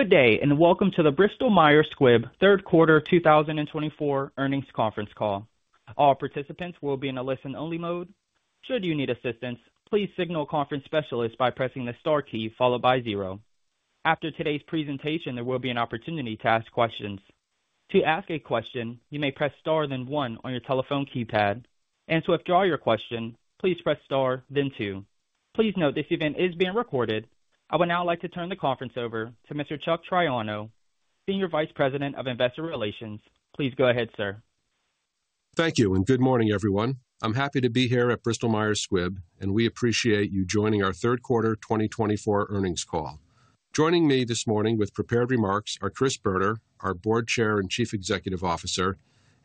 Good day, and welcome to the Bristol-Myers Squibb Third Quarter 2024 Earnings Conference Call. All participants will be in a listen-only mode. Should you need assistance, please signal a conference specialist by pressing the star key followed by zero. After today's presentation, there will be an opportunity to ask questions. To ask a question, you may press star then one on your telephone keypad. And to withdraw your question, please press star then two. Please note this event is being recorded. I would now like to turn the conference over to Mr. Chuck Triano, Senior Vice President of Investor Relations. Please go ahead, sir. Thank you, and good morning, everyone. I'm happy to be here at Bristol-Myers Squibb, and we appreciate you joining our Third Quarter 2024 Earnings Call. Joining me this morning with prepared remarks are Chris Boerner, our Board Chair and Chief Executive Officer,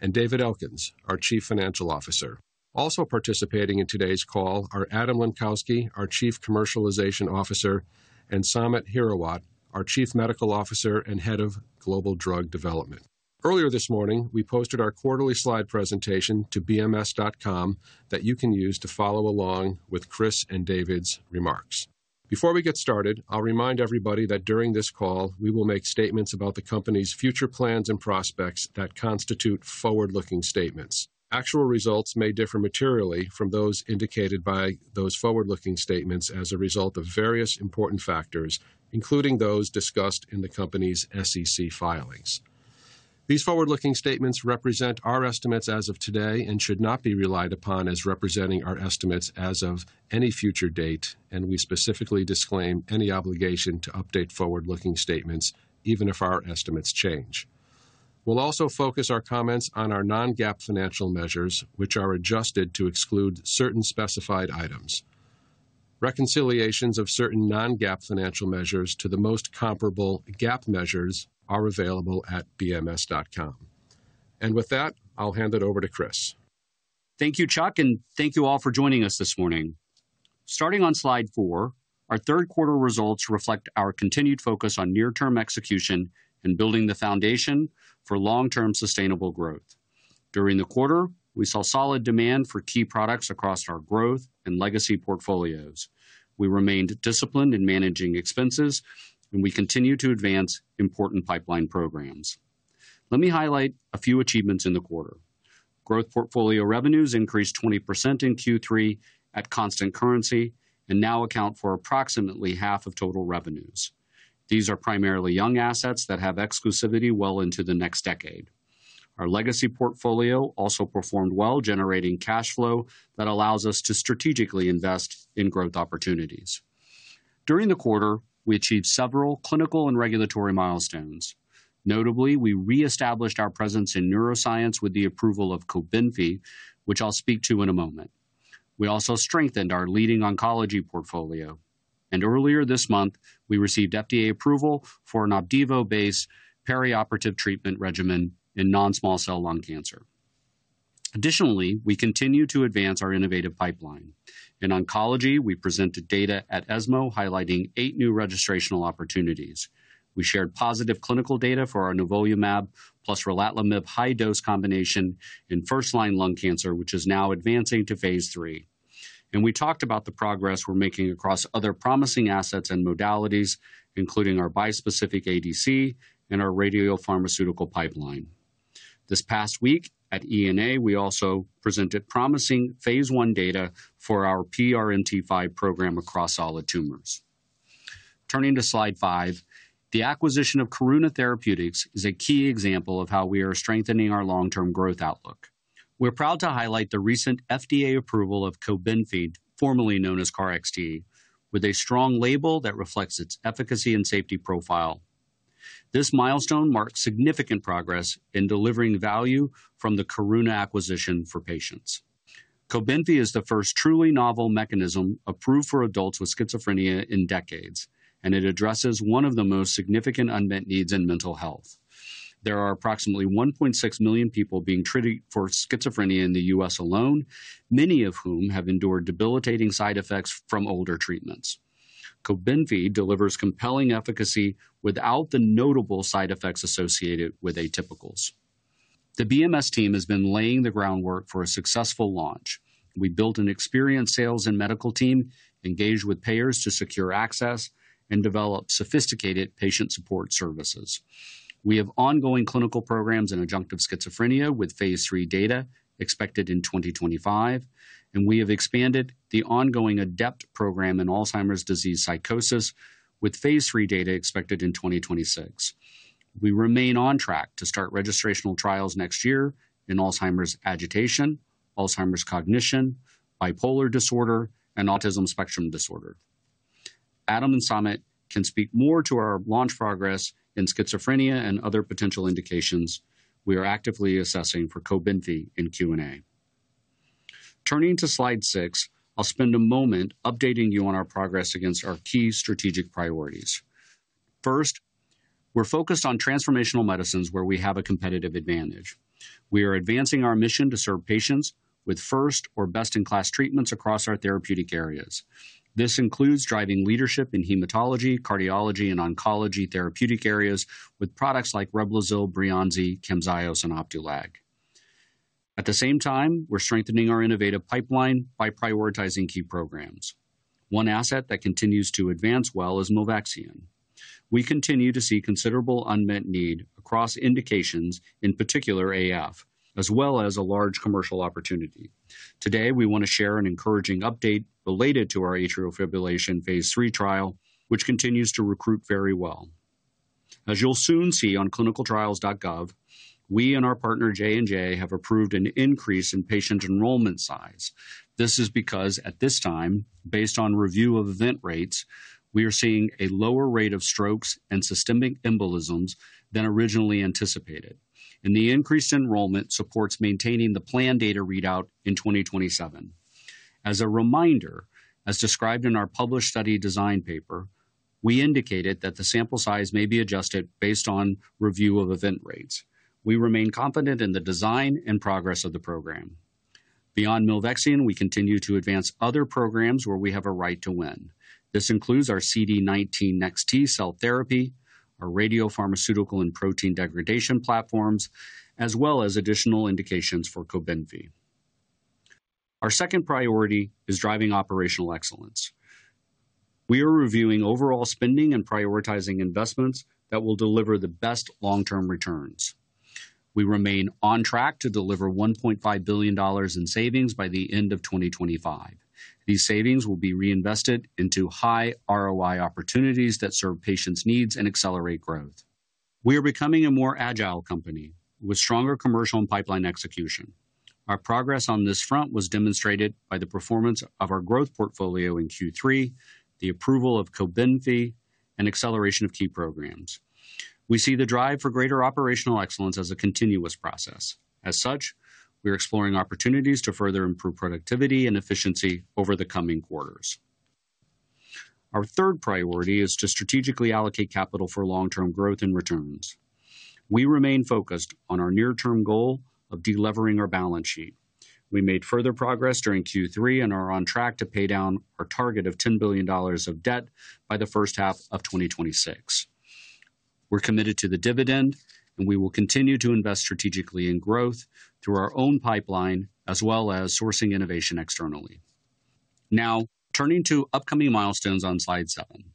and David Elkins, our Chief Financial Officer. Also participating in today's call are Adam Lenkowsky, our Chief Commercialization Officer, and Samit Hirawat, our Chief Medical Officer and Head of Global Drug Development. Earlier this morning, we posted our quarterly slide presentation to bms.com that you can use to follow along with Chris and David's remarks. Before we get started, I'll remind everybody that during this call, we will make statements about the company's future plans and prospects that constitute forward-looking statements. Actual results may differ materially from those indicated by those forward-looking statements as a result of various important factors, including those discussed in the company's SEC filings. These forward-looking statements represent our estimates as of today and should not be relied upon as representing our estimates as of any future date, and we specifically disclaim any obligation to update forward-looking statements, even if our estimates change. We'll also focus our comments on our non-GAAP financial measures, which are adjusted to exclude certain specified items. Reconciliations of certain non-GAAP financial measures to the most comparable GAAP measures are available at bms.com, and with that, I'll hand it over to Chris. Thank you, Chuck, and thank you all for joining us this morning. Starting on slide four, our third quarter results reflect our continued focus on near-term execution and building the foundation for long-term sustainable growth. During the quarter, we saw solid demand for key products across our growth and legacy portfolios. We remained disciplined in managing expenses, and we continue to advance important pipeline programs. Let me highlight a few achievements in the quarter. Growth portfolio revenues increased 20% in Q3 at constant currency and now account for approximately half of total revenues. These are primarily young assets that have exclusivity well into the next decade. Our legacy portfolio also performed well, generating cash flow that allows us to strategically invest in growth opportunities. During the quarter, we achieved several clinical and regulatory milestones. Notably, we reestablished our presence in neuroscience with the approval of Cobenfy, which I'll speak to in a moment. We also strengthened our leading oncology portfolio. And earlier this month, we received FDA approval for an Opdivo-based perioperative treatment regimen in non-small cell lung cancer. Additionally, we continue to advance our innovative pipeline. In oncology, we presented data at ESMO highlighting eight new registrational opportunities. We shared positive clinical data for our nivolumab plus relatlimab high-dose combination in first-line lung cancer, which is now advancing to phase III. And we talked about the progress we're making across other promising assets and modalities, including our bispecific ADC and our radiopharmaceutical pipeline. This past week at ENA, we also presented promising phase I data for our PRMT5 program across solid tumors. Turning to slide five, the acquisition of Karuna Therapeutics is a key example of how we are strengthening our long-term growth outlook. We're proud to highlight the recent FDA approval of Cobenfy, formerly known as KarXT, with a strong label that reflects its efficacy and safety profile. This milestone marks significant progress in delivering value from the Karuna acquisition for patients. Cobenfy is the first truly novel mechanism approved for adults with schizophrenia in decades, and it addresses one of the most significant unmet needs in mental health. There are approximately 1.6 million people being treated for schizophrenia in the U.S. alone, many of whom have endured debilitating side effects from older treatments. Cobenfy delivers compelling efficacy without the notable side effects associated with atypicals. The BMS team has been laying the groundwork for a successful launch. We built an experienced sales and medical team, engaged with payers to secure access, and developed sophisticated patient support services. We have ongoing clinical programs in adjunctive schizophrenia with phase III data expected in 2025, and we have expanded the ongoing ADEPT program in Alzheimer's disease psychosis with phase III data expected in 2026. We remain on track to start registrational trials next year in Alzheimer's agitation, Alzheimer's cognition, bipolar disorder, and autism spectrum disorder. Adam and Samit can speak more to our launch progress in schizophrenia and other potential indications we are actively assessing for Cobenfy in Q&A. Turning to slide six, I'll spend a moment updating you on our progress against our key strategic priorities. First, we're focused on transformational medicines where we have a competitive advantage. We are advancing our mission to serve patients with first or best-in-class treatments across our therapeutic areas. This includes driving leadership in hematology, cardiology, and oncology therapeutic areas with products likeReblozyl, Breyanzi, Camzyos, and Opdualag. At the same time, we're strengthening our innovative pipeline by prioritizing key programs. One asset that continues to advance well is milvexian. We continue to see considerable unmet need across indications, in particular AF, as well as a large commercial opportunity. Today, we want to share an encouraging update related to our atrial fibrillation phase III trial, which continues to recruit very well. As you'll soon see on ClinicalTrials.gov, we and our partner J&J have approved an increase in patient enrollment size. This is because, at this time, based on review of event rates, we are seeing a lower rate of strokes and systemic embolisms than originally anticipated, and the increased enrollment supports maintaining the planned data readout in 2027. As a reminder, as described in our published study design paper, we indicated that the sample size may be adjusted based on review of event rates. We remain confident in the design and progress of the program. Beyond milvexian, we continue to advance other programs where we have a right to win. This includes our CD19 CAR-T cell therapy, our radiopharmaceutical and protein degradation platforms, as well as additional indications for Cobenfy. Our second priority is driving operational excellence. We are reviewing overall spending and prioritizing investments that will deliver the best long-term returns. We remain on track to deliver $1.5 billion in savings by the end of 2025. These savings will be reinvested into high ROI opportunities that serve patients' needs and accelerate growth. We are becoming a more agile company with stronger commercial and pipeline execution. Our progress on this front was demonstrated by the performance of our growth portfolio in Q3, the approval of Cobenfy, and acceleration of key programs. We see the drive for greater operational excellence as a continuous process. As such, we are exploring opportunities to further improve productivity and efficiency over the coming quarters. Our third priority is to strategically allocate capital for long-term growth and returns. We remain focused on our near-term goal of delivering our balance sheet. We made further progress during Q3 and are on track to pay down our target of $10 billion of debt by the first half of 2026. We're committed to the dividend, and we will continue to invest strategically in growth through our own pipeline as well as sourcing innovation externally. Now, turning to upcoming milestones on slide seven.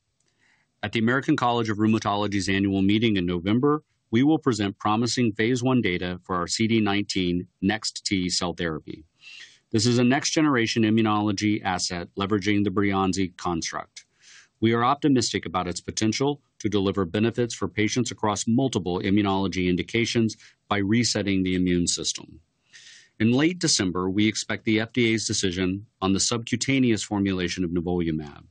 At the American College of Rheumatology's annual meeting in November, we will present promising Phase I data for our CD19 CAR-T cell therapy. This is a next-generation immunology asset leveraging the Breyanzi construct. We are optimistic about its potential to deliver benefits for patients across multiple immunology indications by resetting the immune system. In late December, we expect the FDA's decision on the subcutaneous formulation of nivolumab.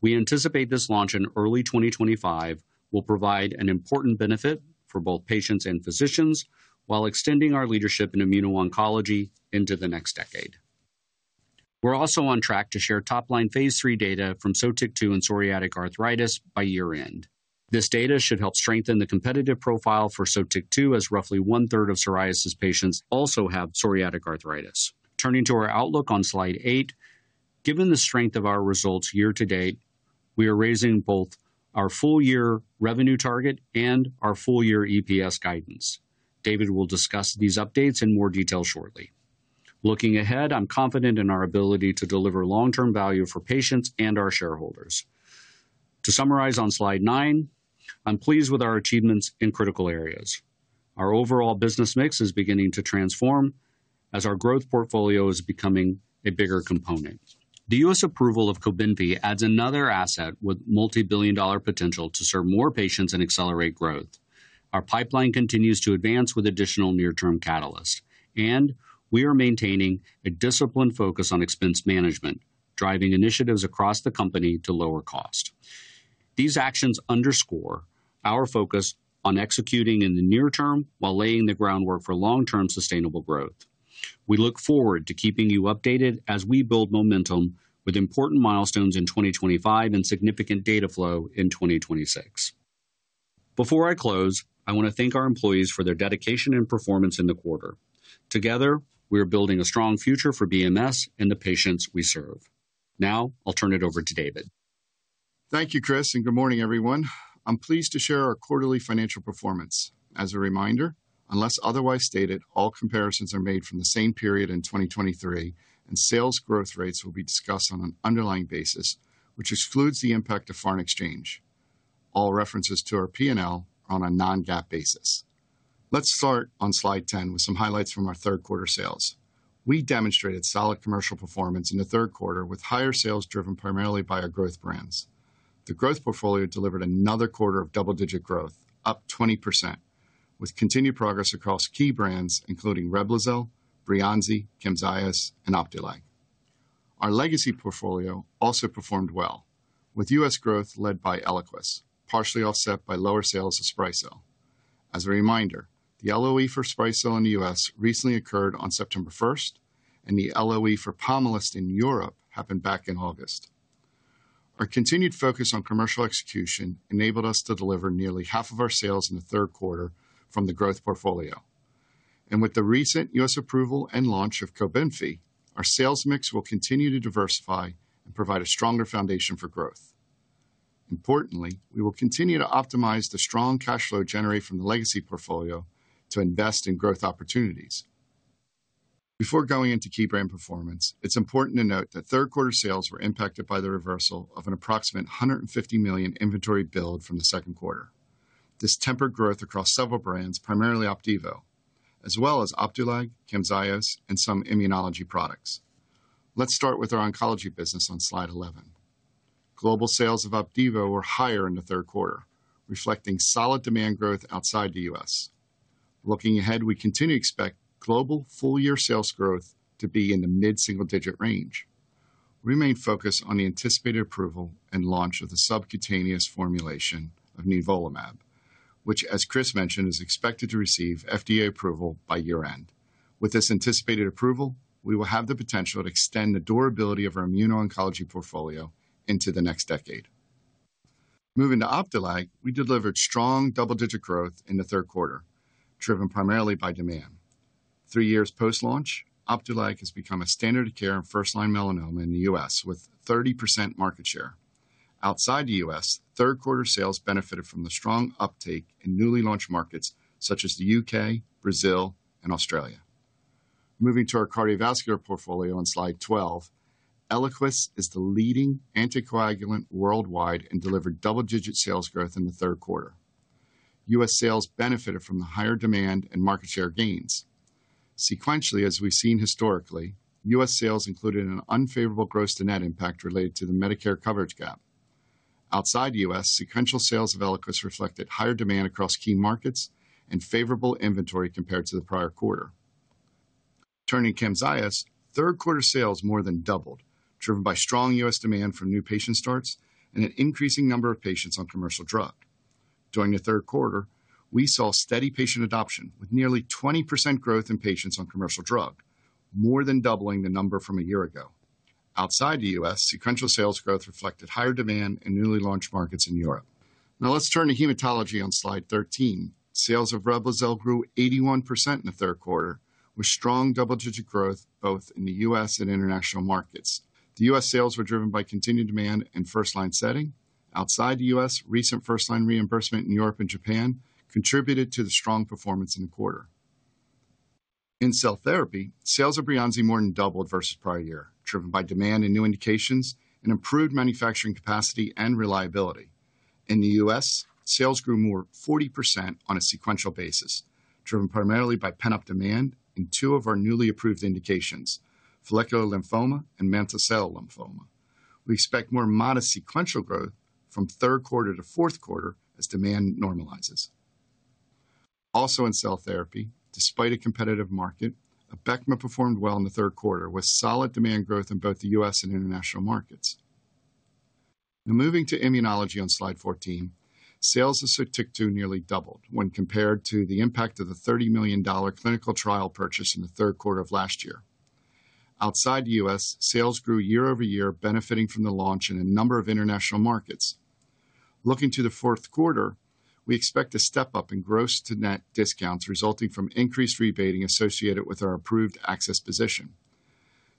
We anticipate this launch in early 2025 will provide an important benefit for both patients and physicians while extending our leadership in immuno-oncology into the next decade. We're also on track to share top-line phase three data from Sotyktu and psoriatic arthritis by year-end. This data should help strengthen the competitive profile for Sotyktu, as roughly one-third of psoriasis patients also have psoriatic arthritis. Turning to our outlook on slide eight, given the strength of our results year-to-date, we are raising both our full-year revenue target and our full-year EPS guidance. David will discuss these updates in more detail shortly. Looking ahead, I'm confident in our ability to deliver long-term value for patients and our shareholders. To summarize on slide nine, I'm pleased with our achievements in critical areas. Our overall business mix is beginning to transform as our growth portfolio is becoming a bigger component. The U.S. approval of Cobenfy adds another asset with multi-billion dollar potential to serve more patients and accelerate growth. Our pipeline continues to advance with additional near-term catalysts. And we are maintaining a disciplined focus on expense management, driving initiatives across the company to lower cost. These actions underscore our focus on executing in the near term while laying the groundwork for long-term sustainable growth. We look forward to keeping you updated as we build momentum with important milestones in 2025 and significant data flow in 2026. Before I close, I want to thank our employees for their dedication and performance in the quarter. Together, we are building a strong future for BMS and the patients we serve. Now, I'll turn it over to David. Thank you, Chris, and good morning, everyone. I'm pleased to share our quarterly financial performance. As a reminder, unless otherwise stated, all comparisons are made from the same period in 2023, and sales growth rates will be discussed on an underlying basis, which excludes the impact of foreign exchange. All references to our P&L are on a non-GAAP basis. Let's start on slide 10 with some highlights from our third-quarter sales. We demonstrated solid commercial performance in the third quarter, with higher sales driven primarily by our growth brands. The growth portfolio delivered another quarter of double-digit growth, up 20%, with continued progress across key brands, including Reblizil, Breyanzi, Camzyos, and Opdualag. Our legacy portfolio also performed well, with U.S. growth led by Eliquis, partially offset by lower sales of Sprycel. As a reminder, the LOE for Sprycel in the U.S. recently occurred on September 1st, and the LOE for Pomalyst in Europe happened back in August. Our continued focus on commercial execution enabled us to deliver nearly half of our sales in the third quarter from the growth portfolio. With the recent U.S. approval and launch of Cobenfy, our sales mix will continue to diversify and provide a stronger foundation for growth. Importantly, we will continue to optimize the strong cash flow generated from the legacy portfolio to invest in growth opportunities. Before going into key brand performance, it's important to note that third-quarter sales were impacted by the reversal of an approximate $150 million inventory build from the second quarter. This tempered growth across several brands, primarily Opdivo, as well as Opdualag, Camzyos, and some immunology products. Let's start with our oncology business on slide 11. Global sales of Opdivo were higher in the third quarter, reflecting solid demand growth outside the U.S. Looking ahead, we continue to expect global full-year sales growth to be in the mid-single-digit range. We remain focused on the anticipated approval and launch of the subcutaneous formulation of nivolumab, which, as Chris mentioned, is expected to receive FDA approval by year-end. With this anticipated approval, we will have the potential to extend the durability of our immuno-oncology portfolio into the next decade. Moving to Opdualag, we delivered strong double-digit growth in the third quarter, driven primarily by demand. Three years post-launch, Opdualag has become a standard of care in first-line melanoma in the U.S. with 30% market share. Outside the U.S., third-quarter sales benefited from the strong uptake in newly launched markets such as the U.K., Brazil, and Australia. Moving to our cardiovascular portfolio on slide 12, Eliquis is the leading anticoagulant worldwide and delivered double-digit sales growth in the third quarter. U.S. sales benefited from the higher demand and market share gains. Sequentially, as we've seen historically, U.S. sales included an unfavorable gross-to-net impact related to the Medicare coverage gap. Outside the U.S., sequential sales of Eliquis reflected higher demand across key markets and favorable inventory compared to the prior quarter. Turning to Camzyos, third-quarter sales more than doubled, driven by strong U.S. demand for new patient starts and an increasing number of patients on commercial drug. During the third quarter, we saw steady patient adoption with nearly 20% growth in patients on commercial drug, more than doubling the number from a year ago. Outside the U.S., sequential sales growth reflected higher demand in newly launched markets in Europe. Now, let's turn to hematology on slide 13. Sales of Reblozyl grew 81% in the third quarter, with strong double-digit growth both in the U.S. and international markets. The U.S. sales were driven by continued demand and first-line setting. Outside the U.S., recent first-line reimbursement in Europe and Japan contributed to the strong performance in the quarter. In cell therapy, sales of Breyanzi more than doubled versus prior year, driven by demand and new indications and improved manufacturing capacity and reliability. In the U.S., sales grew more than 40% on a sequential basis, driven primarily by pent-up demand in two of our newly approved indications, follicular lymphoma and mantle cell lymphoma. We expect more modest sequential growth from third quarter to fourth quarter as demand normalizes. Also, in cell therapy, despite a competitive market, Abecma performed well in the third quarter with solid demand growth in both the U.S. and international markets. Now, moving to immunology on slide 14, sales of Sotyktu nearly doubled when compared to the impact of the $30 million clinical trial purchase in the third quarter of last year. Outside the U.S., sales grew year-over-year, benefiting from the launch in a number of international markets. Looking to the fourth quarter, we expect a step-up in gross-to-net discounts resulting from increased rebating associated with our approved access position.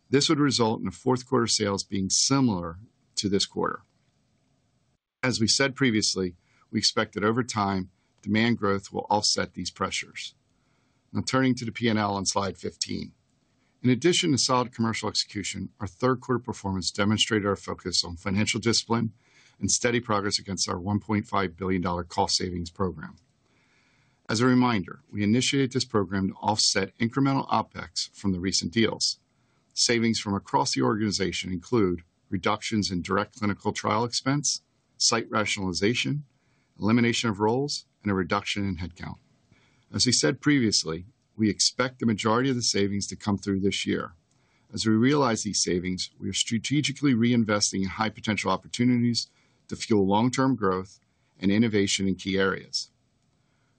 This would result in fourth-quarter sales being similar to this quarter. As we said previously, we expect that over time, demand growth will offset these pressures. Now, turning to the P&L on slide 15. In addition to solid commercial execution, our third-quarter performance demonstrated our focus on financial discipline and steady progress against our $1.5 billion cost savings program. As a reminder, we initiated this program to offset incremental OpEx from the recent deals. Savings from across the organization include reductions in direct clinical trial expense, site rationalization, elimination of roles, and a reduction in headcount. As we said previously, we expect the majority of the savings to come through this year. As we realize these savings, we are strategically reinvesting in high-potential opportunities to fuel long-term growth and innovation in key areas.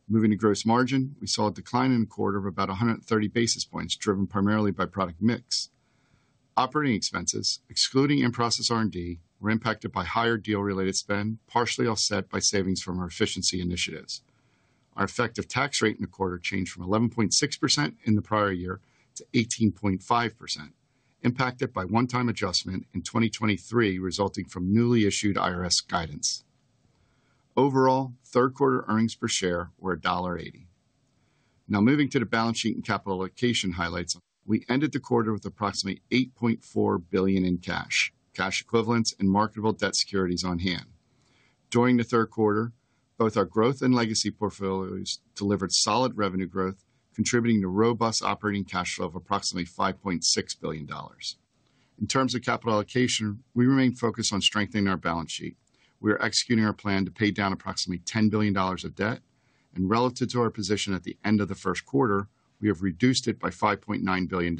Moving to gross margin, we saw a decline in the quarter of about 130 basis points, driven primarily by product mix. Operating expenses, excluding in-process R&D, were impacted by higher deal-related spend, partially offset by savings from our efficiency initiatives. Our effective tax rate in the quarter changed from 11.6% in the prior year to 18.5%, impacted by one-time adjustment in 2023 resulting from newly issued IRS guidance. Overall, third-quarter earnings per share were $1.80. Now, moving to the balance sheet and capital allocation highlights, we ended the quarter with approximately $8.4 billion in cash, cash equivalents, and marketable debt securities on hand. During the third quarter, both our growth and legacy portfolios delivered solid revenue growth, contributing to robust operating cash flow of approximately $5.6 billion. In terms of capital allocation, we remain focused on strengthening our balance sheet. We are executing our plan to pay down approximately $10 billion of debt, and relative to our position at the end of the first quarter, we have reduced it by $5.9 billion.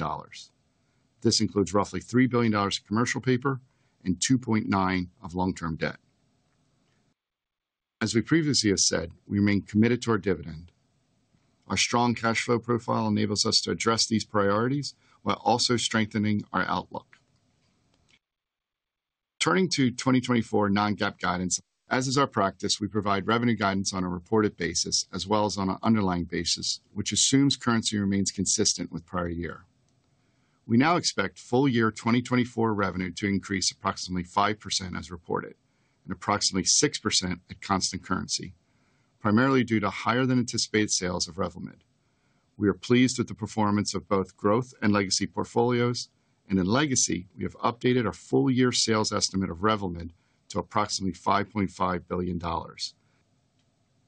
This includes roughly $3 billion of commercial paper and $2.9 billion of long-term debt. As we previously have said, we remain committed to our dividend. Our strong cash flow profile enables us to address these priorities while also strengthening our outlook. Turning to 2024 Non-GAAP guidance, as is our practice, we provide revenue guidance on a reported basis as well as on an underlying basis, which assumes currency remains consistent with prior year. We now expect full-year 2024 revenue to increase approximately 5% as reported and approximately 6% at constant currency, primarily due to higher-than-anticipated sales of Revlimid. We are pleased with the performance of both growth and legacy portfolios, and in legacy, we have updated our full-year sales estimate of Revlimid to approximately $5.5 billion.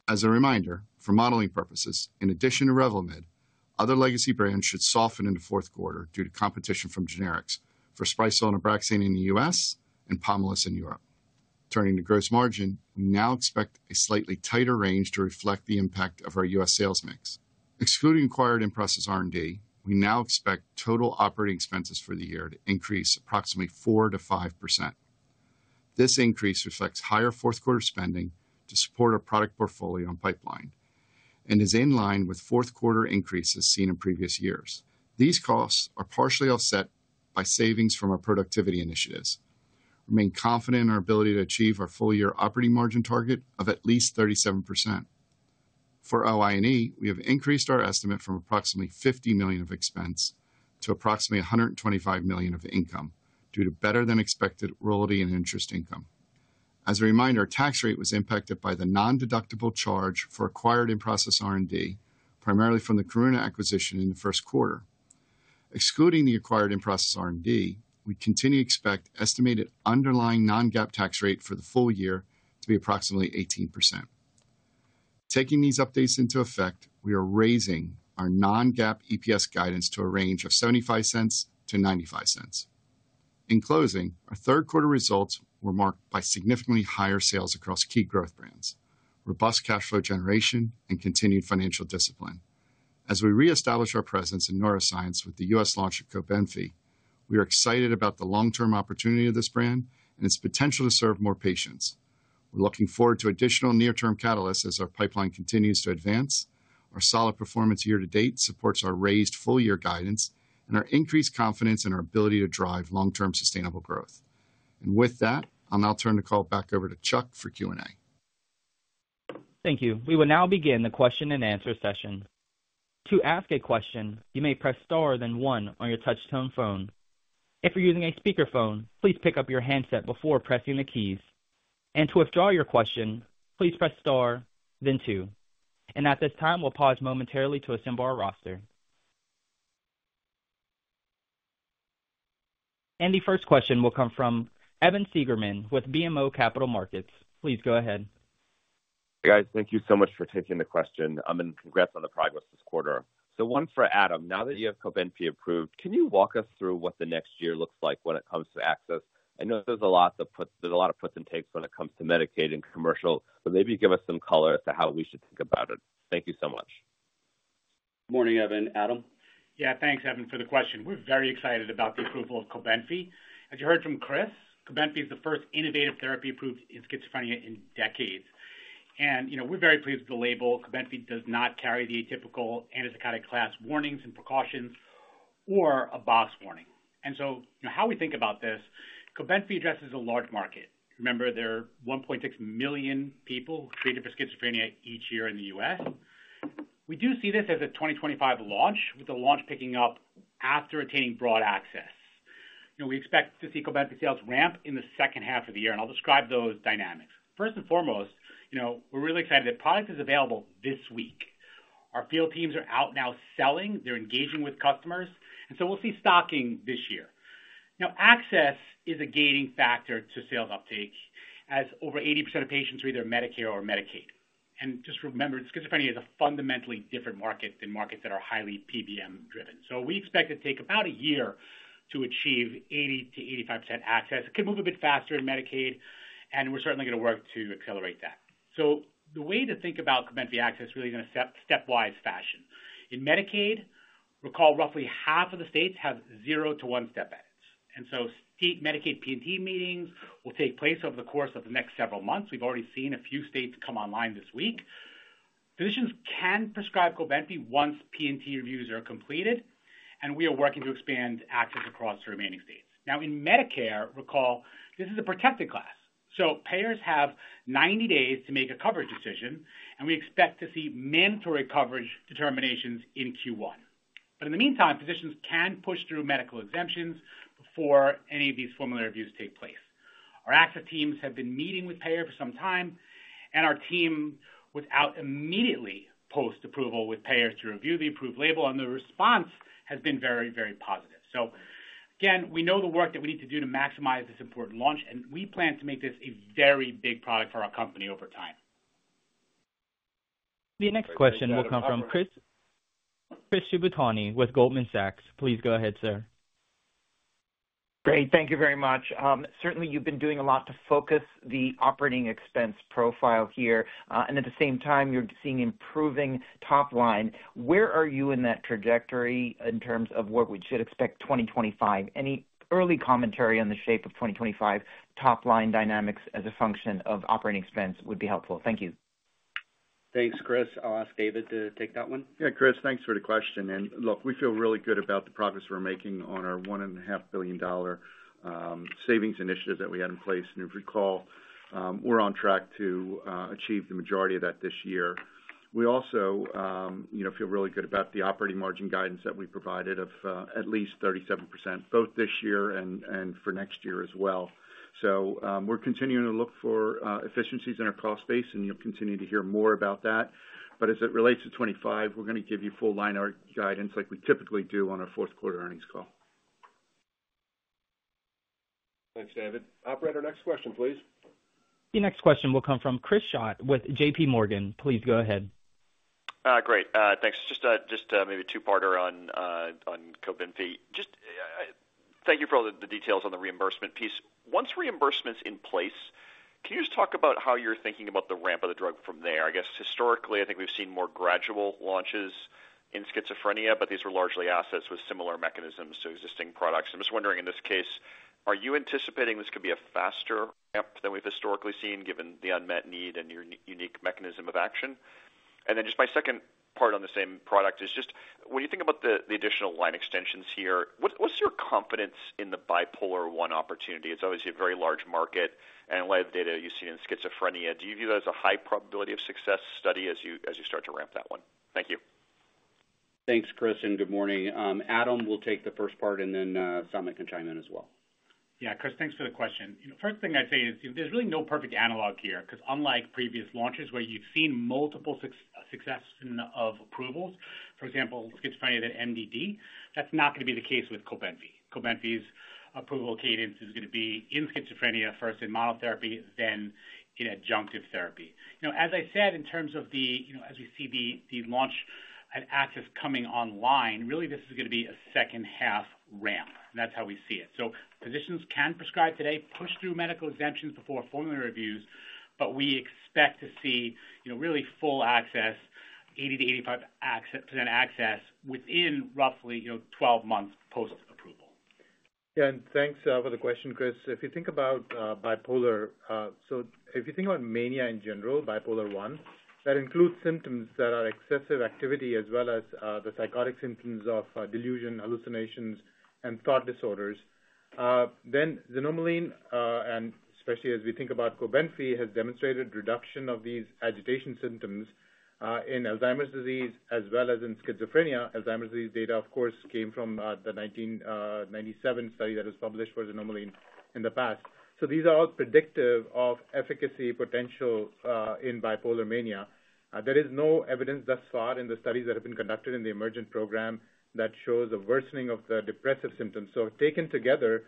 As a reminder, for modeling purposes, in addition to Revlimid, other legacy brands should soften in the fourth quarter due to competition from generics for Sprycel and Abraxane in the U.S. and Pomalyst in Europe. Turning to gross margin, we now expect a slightly tighter range to reflect the impact of our U.S. sales mix. Excluding acquired in-process R&D, we now expect total operating expenses for the year to increase approximately 4%-5%. This increase reflects higher fourth-quarter spending to support our product portfolio and pipeline and is in line with fourth-quarter increases seen in previous years. These costs are partially offset by savings from our productivity initiatives. We remain confident in our ability to achieve our full-year operating margin target of at least 37%. For OI&E, we have increased our estimate from approximately $50 million of expense to approximately $125 million of income due to better-than-expected royalty and interest income. As a reminder, our tax rate was impacted by the non-deductible charge for acquired in-process R&D, primarily from the Karuna acquisition in the first quarter. Excluding the acquired in-process R&D, we continue to expect estimated underlying non-GAAP tax rate for the full year to be approximately 18%. Taking these updates into effect, we are raising our non-GAAP EPS guidance to a range of $0.75-$0.95. In closing, our third-quarter results were marked by significantly higher sales across key growth brands, robust cash flow generation, and continued financial discipline. As we reestablish our presence in neuroscience with the U.S. launch of Cobenfy, we are excited about the long-term opportunity of this brand and its potential to serve more patients. We're looking forward to additional near-term catalysts as our pipeline continues to advance. Our solid performance year-to-date supports our raised full-year guidance and our increased confidence in our ability to drive long-term sustainable growth. And with that, I'll now turn the call back over to Chuck for Q&A. Thank you. We will now begin the question-and-answer session. To ask a question, you may press Star then One on your touch-tone phone. If you're using a speakerphone, please pick up your handset before pressing the keys. And to withdraw your question, please press Star then Two. And at this time, we'll pause momentarily to assemble our roster. And the first question will come from Evan Seigerman with BMO Capital Markets. Please go ahead. Hi, guys. Thank you so much for taking the question. And congrats on the progress this quarter. So one for Adam. Now that you have Cobenfy approved, can you walk us through what the next year looks like when it comes to access? I know there's a lot of puts and takes when it comes to Medicaid and commercial, but maybe give us some color as to how we should think about it. Thank you so much. Good morning, Evan. Adam. Yeah, thanks, Evan, for the question. We're very excited about the approval of Cobenfy. As you heard from Chris, Cobenfy is the first innovative therapy approved in schizophrenia in decades. And we're very pleased with the label. Cobenfy does not carry the atypical antipsychotic class warnings and precautions or a box warning. And so how we think about this, Cobenfy addresses a large market. Remember, there are 1.6 million people treated for schizophrenia each year in the U.S. We do see this as a 2025 launch, with the launch picking up after attaining broad access. We expect to see Cobenfy sales ramp in the second half of the year, and I'll describe those dynamics. First and foremost, we're really excited that product is available this week. Our field teams are out now selling. They're engaging with customers. And so we'll see stocking this year. Now, access is a gating factor to sales uptake as over 80% of patients are either Medicare or Medicaid. And just remember, schizophrenia is a fundamentally different market than markets that are highly PBM-driven. So we expect to take about a year to achieve 80%-85% access. It could move a bit faster in Medicaid, and we're certainly going to work to accelerate that. So the way to think about Cobenfy access is really in a stepwise fashion. In Medicaid, recall, roughly half of the states have zero to one step edit. And so state Medicaid P&T meetings will take place over the course of the next several months. We've already seen a few states come online this week. Physicians can prescribe Cobenfy once P&T reviews are completed, and we are working to expand access across the remaining states. Now, in Medicare, recall, this is a protected class. So payers have 90 days to make a coverage decision, and we expect to see mandatory coverage determinations in Q1. But in the meantime, physicians can push through medical exemptions before any of these formulary reviews take place. Our access teams have been meeting with payers for some time, and our team went out immediately post-approval with payers to review the approved label, and the response has been very, very positive. So again, we know the work that we need to do to maximize this important launch, and we plan to make this a very big product for our company over time. The next question will come from Chris Shibutani with Goldman Sachs. Please go ahead, sir. Great. Thank you very much. Certainly, you've been doing a lot to focus the operating expense profile here. And at the same time, you're seeing improving top line. Where are you in that trajectory in terms of what we should expect 2025? Any early commentary on the shape of 2025 top line dynamics as a function of operating expense would be helpful. Thank you. Thanks, Chris. I'll ask David to take that one. Yeah, Chris, thanks for the question. And look, we feel really good about the progress we're making on our $1.5 billion savings initiative that we had in place. And if you recall, we're on track to achieve the majority of that this year. We also feel really good about the operating margin guidance that we provided of at least 37% both this year and for next year as well. So we're continuing to look for efficiencies in our cost base, and you'll continue to hear more about that. But as it relates to 2025, we're going to give you full line art guidance like we typically do on our fourth-quarter earnings call. Thanks, David. Operator, next question, please. The next question will come from Chris Schott with JPMorgan. Please go ahead. Great. Thanks. Just maybe a two-parter on Cobenfy. Thank you for all the details on the reimbursement piece. Once reimbursement's in place, can you just talk about how you're thinking about the ramp of the drug from there? I guess historically, I think we've seen more gradual launches in schizophrenia, but these were largely assets with similar mechanisms to existing products. I'm just wondering, in this case, are you anticipating this could be a faster ramp than we've historically seen given the unmet need and your unique mechanism of action? And then just my second part on the same product is just when you think about the additional line extensions here, what's your confidence in the bipolar one opportunity? It's obviously a very large market, and a lot of the data you see in schizophrenia. Do you view that as a high probability of success study as you start to ramp that one? Thank you. Thanks, Chris, and good morning. Adam will take the first part, and then Samit can chime in as well. Yeah, Chris, thanks for the question. First thing I'd say is there's really no perfect analog here because unlike previous launches where you've seen multiple successes of approvals, for example, schizophrenia and MDD, that's not going to be the case with Cobenfy. Cobenfy's approval cadence is going to be in schizophrenia first, in monotherapy, then in adjunctive therapy. As I said, in terms of the, as we see the launch and access coming online, really this is going to be a second-half ramp, and that's how we see it. So physicians can prescribe today, push through medical exemptions before formulary reviews, but we expect to see really full access, 80%-85% access within roughly 12 months post-approval. Yeah, and thanks for the question, Chris. If you think about bipolar, so if you think about mania in general, bipolar I, that includes symptoms that are excessive activity as well as the psychotic symptoms of delusion, hallucinations, and thought disorders, then xanomeline, and especially as we think about Cobenfy, has demonstrated reduction of these agitation symptoms in Alzheimer's disease as well as in schizophrenia. Alzheimer's disease data, of course, came from the 1997 study that was published for xanomeline in the past. So these are all predictive of efficacy potential in bipolar mania. There is no evidence thus far in the studies that have been conducted in the EMERGENT program that shows a worsening of the depressive symptoms. So taken together,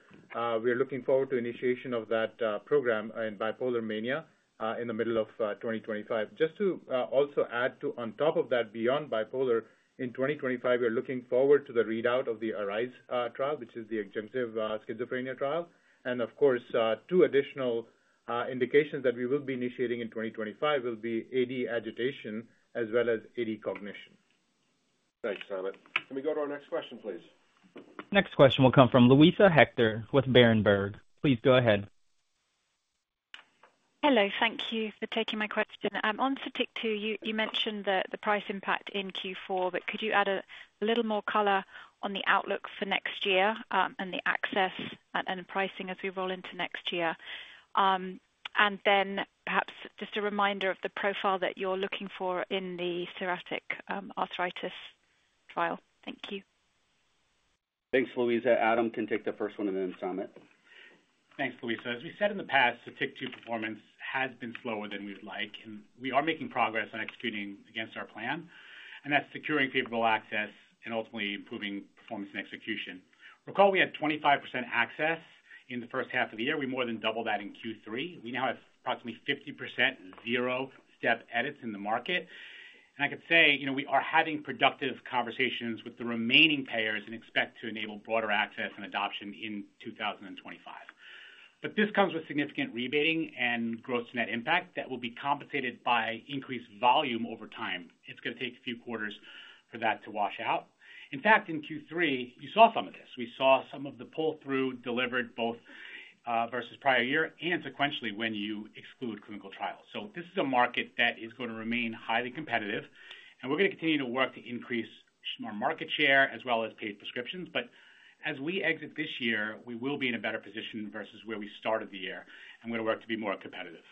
we are looking forward to initiation of that program in bipolar mania in the middle of 2025. Just to also add to on top of that, beyond bipolar, in 2025, we are looking forward to the readout of the ARISE trial, which is the adjunctive schizophrenia trial. And of course, two additional indications that we will be initiating in 2025 will be AD agitation as well as AD cognition. Thanks, Samit. Can we go to our next question, please? Next question will come from Louisa Hector with Berenberg. Please go ahead. Hello. Thank you for taking my question. On Sotyktu, you mentioned the price impact in Q4, but could you add a little more color on the outlook for next year and the access and pricing as we roll into next year? And then perhaps just a reminder of the profile that you're looking for in the psoriatic arthritis trial. Thank you. Thanks, Louisa. Adam can take the first one and then Samit. Thanks, Louisa. As we said in the past, Sotyktu performance has been slower than we'd like, and we are making progress on executing against our plan, and that's securing favorable access and ultimately improving performance and execution. Recall, we had 25% access in the first half of the year. We more than doubled that in Q3. We now have approximately 50% zero-step edits in the market. And I could say we are having productive conversations with the remaining payers and expect to enable broader access and adoption in 2025. But this comes with significant rebating and gross net impact that will be compensated by increased volume over time. It's going to take a few quarters for that to wash out. In fact, in Q3, you saw some of this. We saw some of the pull-through delivered both versus prior year and sequentially when you exclude clinical trials. So this is a market that is going to remain highly competitive, and we're going to continue to work to increase our market share as well as paid prescriptions. But as we exit this year, we will be in a better position versus where we started the year, and we're going to work to be more competitive.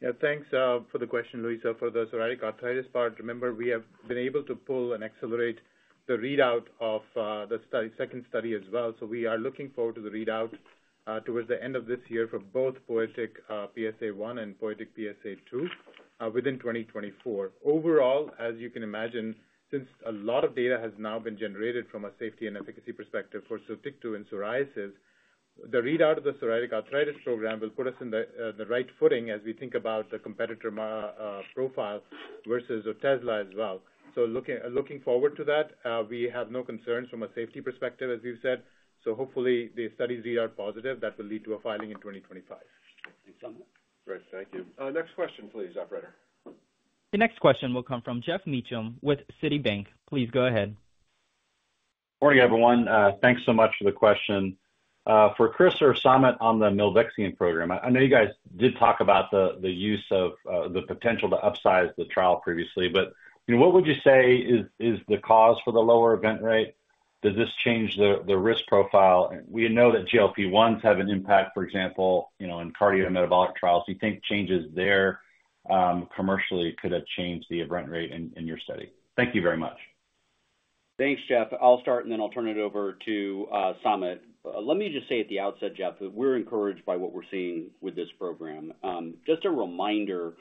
Yeah, thanks for the question, Louisa, for the psoriatic arthritis part. Remember, we have been able to pull and accelerate the readout of the second study as well. So we are looking forward to the readout towards the end of this year for both POETYK PSA-1 and POETYK PSA-2 within 2024. Overall, as you can imagine, since a lot of data has now been generated from a safety and efficacy perspective for Sotyktu and psoriasis, the readout of the psoriatic arthritis program will put us in the right footing as we think about the competitor profile versus Otezla as well. So looking forward to that, we have no concerns from a safety perspective, as we've said. So hopefully, the studies readout positive that will lead to a filing in 2025. Great. Thank you. Next question, please, Operator. The next question will come from Jeff Meacham with Citi. Please go ahead. Good morning, everyone. Thanks so much for the question. For Chris or Samit on the milvexian program, I know you guys did talk about the use of the potential to upsize the trial previously, but what would you say is the cause for the lower event rate? Does this change the risk profile? We know that GLP-1s have an impact, for example, in cardiometabolic trials. Do you think changes there commercially could have changed the event rate in your study? Thank you very much. Thanks, Jeff. I'll start, and then I'll turn it over to Samit. Let me just say at the outset, Jeff, that we're encouraged by what we're seeing with this program. Just a reminder,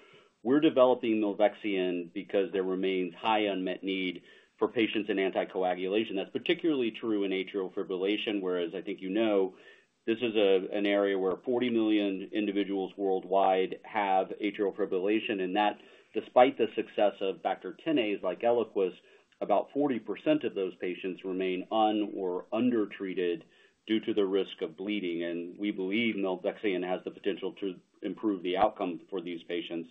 we're developing milvexian because there remains high unmet need for patients in anticoagulation. That's particularly true in atrial fibrillation, whereas I think you know this is an area where 40 million individuals worldwide have atrial fibrillation. And that, despite the success of Factor Xa inhibitors like Eliquis, about 40% of those patients remain un- or undertreated due to the risk of bleeding. And we believe milvexian has the potential to improve the outcome for these patients.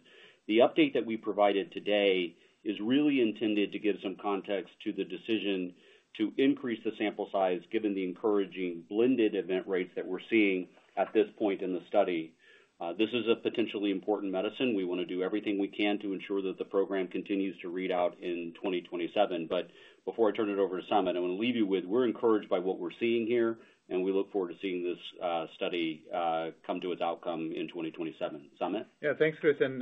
The update that we provided today is really intended to give some context to the decision to increase the sample size given the encouraging blended event rates that we're seeing at this point in the study. This is a potentially important medicine. We want to do everything we can to ensure that the program continues to read out in 2027. But before I turn it over to Samit, I want to leave you with, we're encouraged by what we're seeing here, and we look forward to seeing this study come to its outcome in 2027. Samit? Yeah, thanks, Chris. And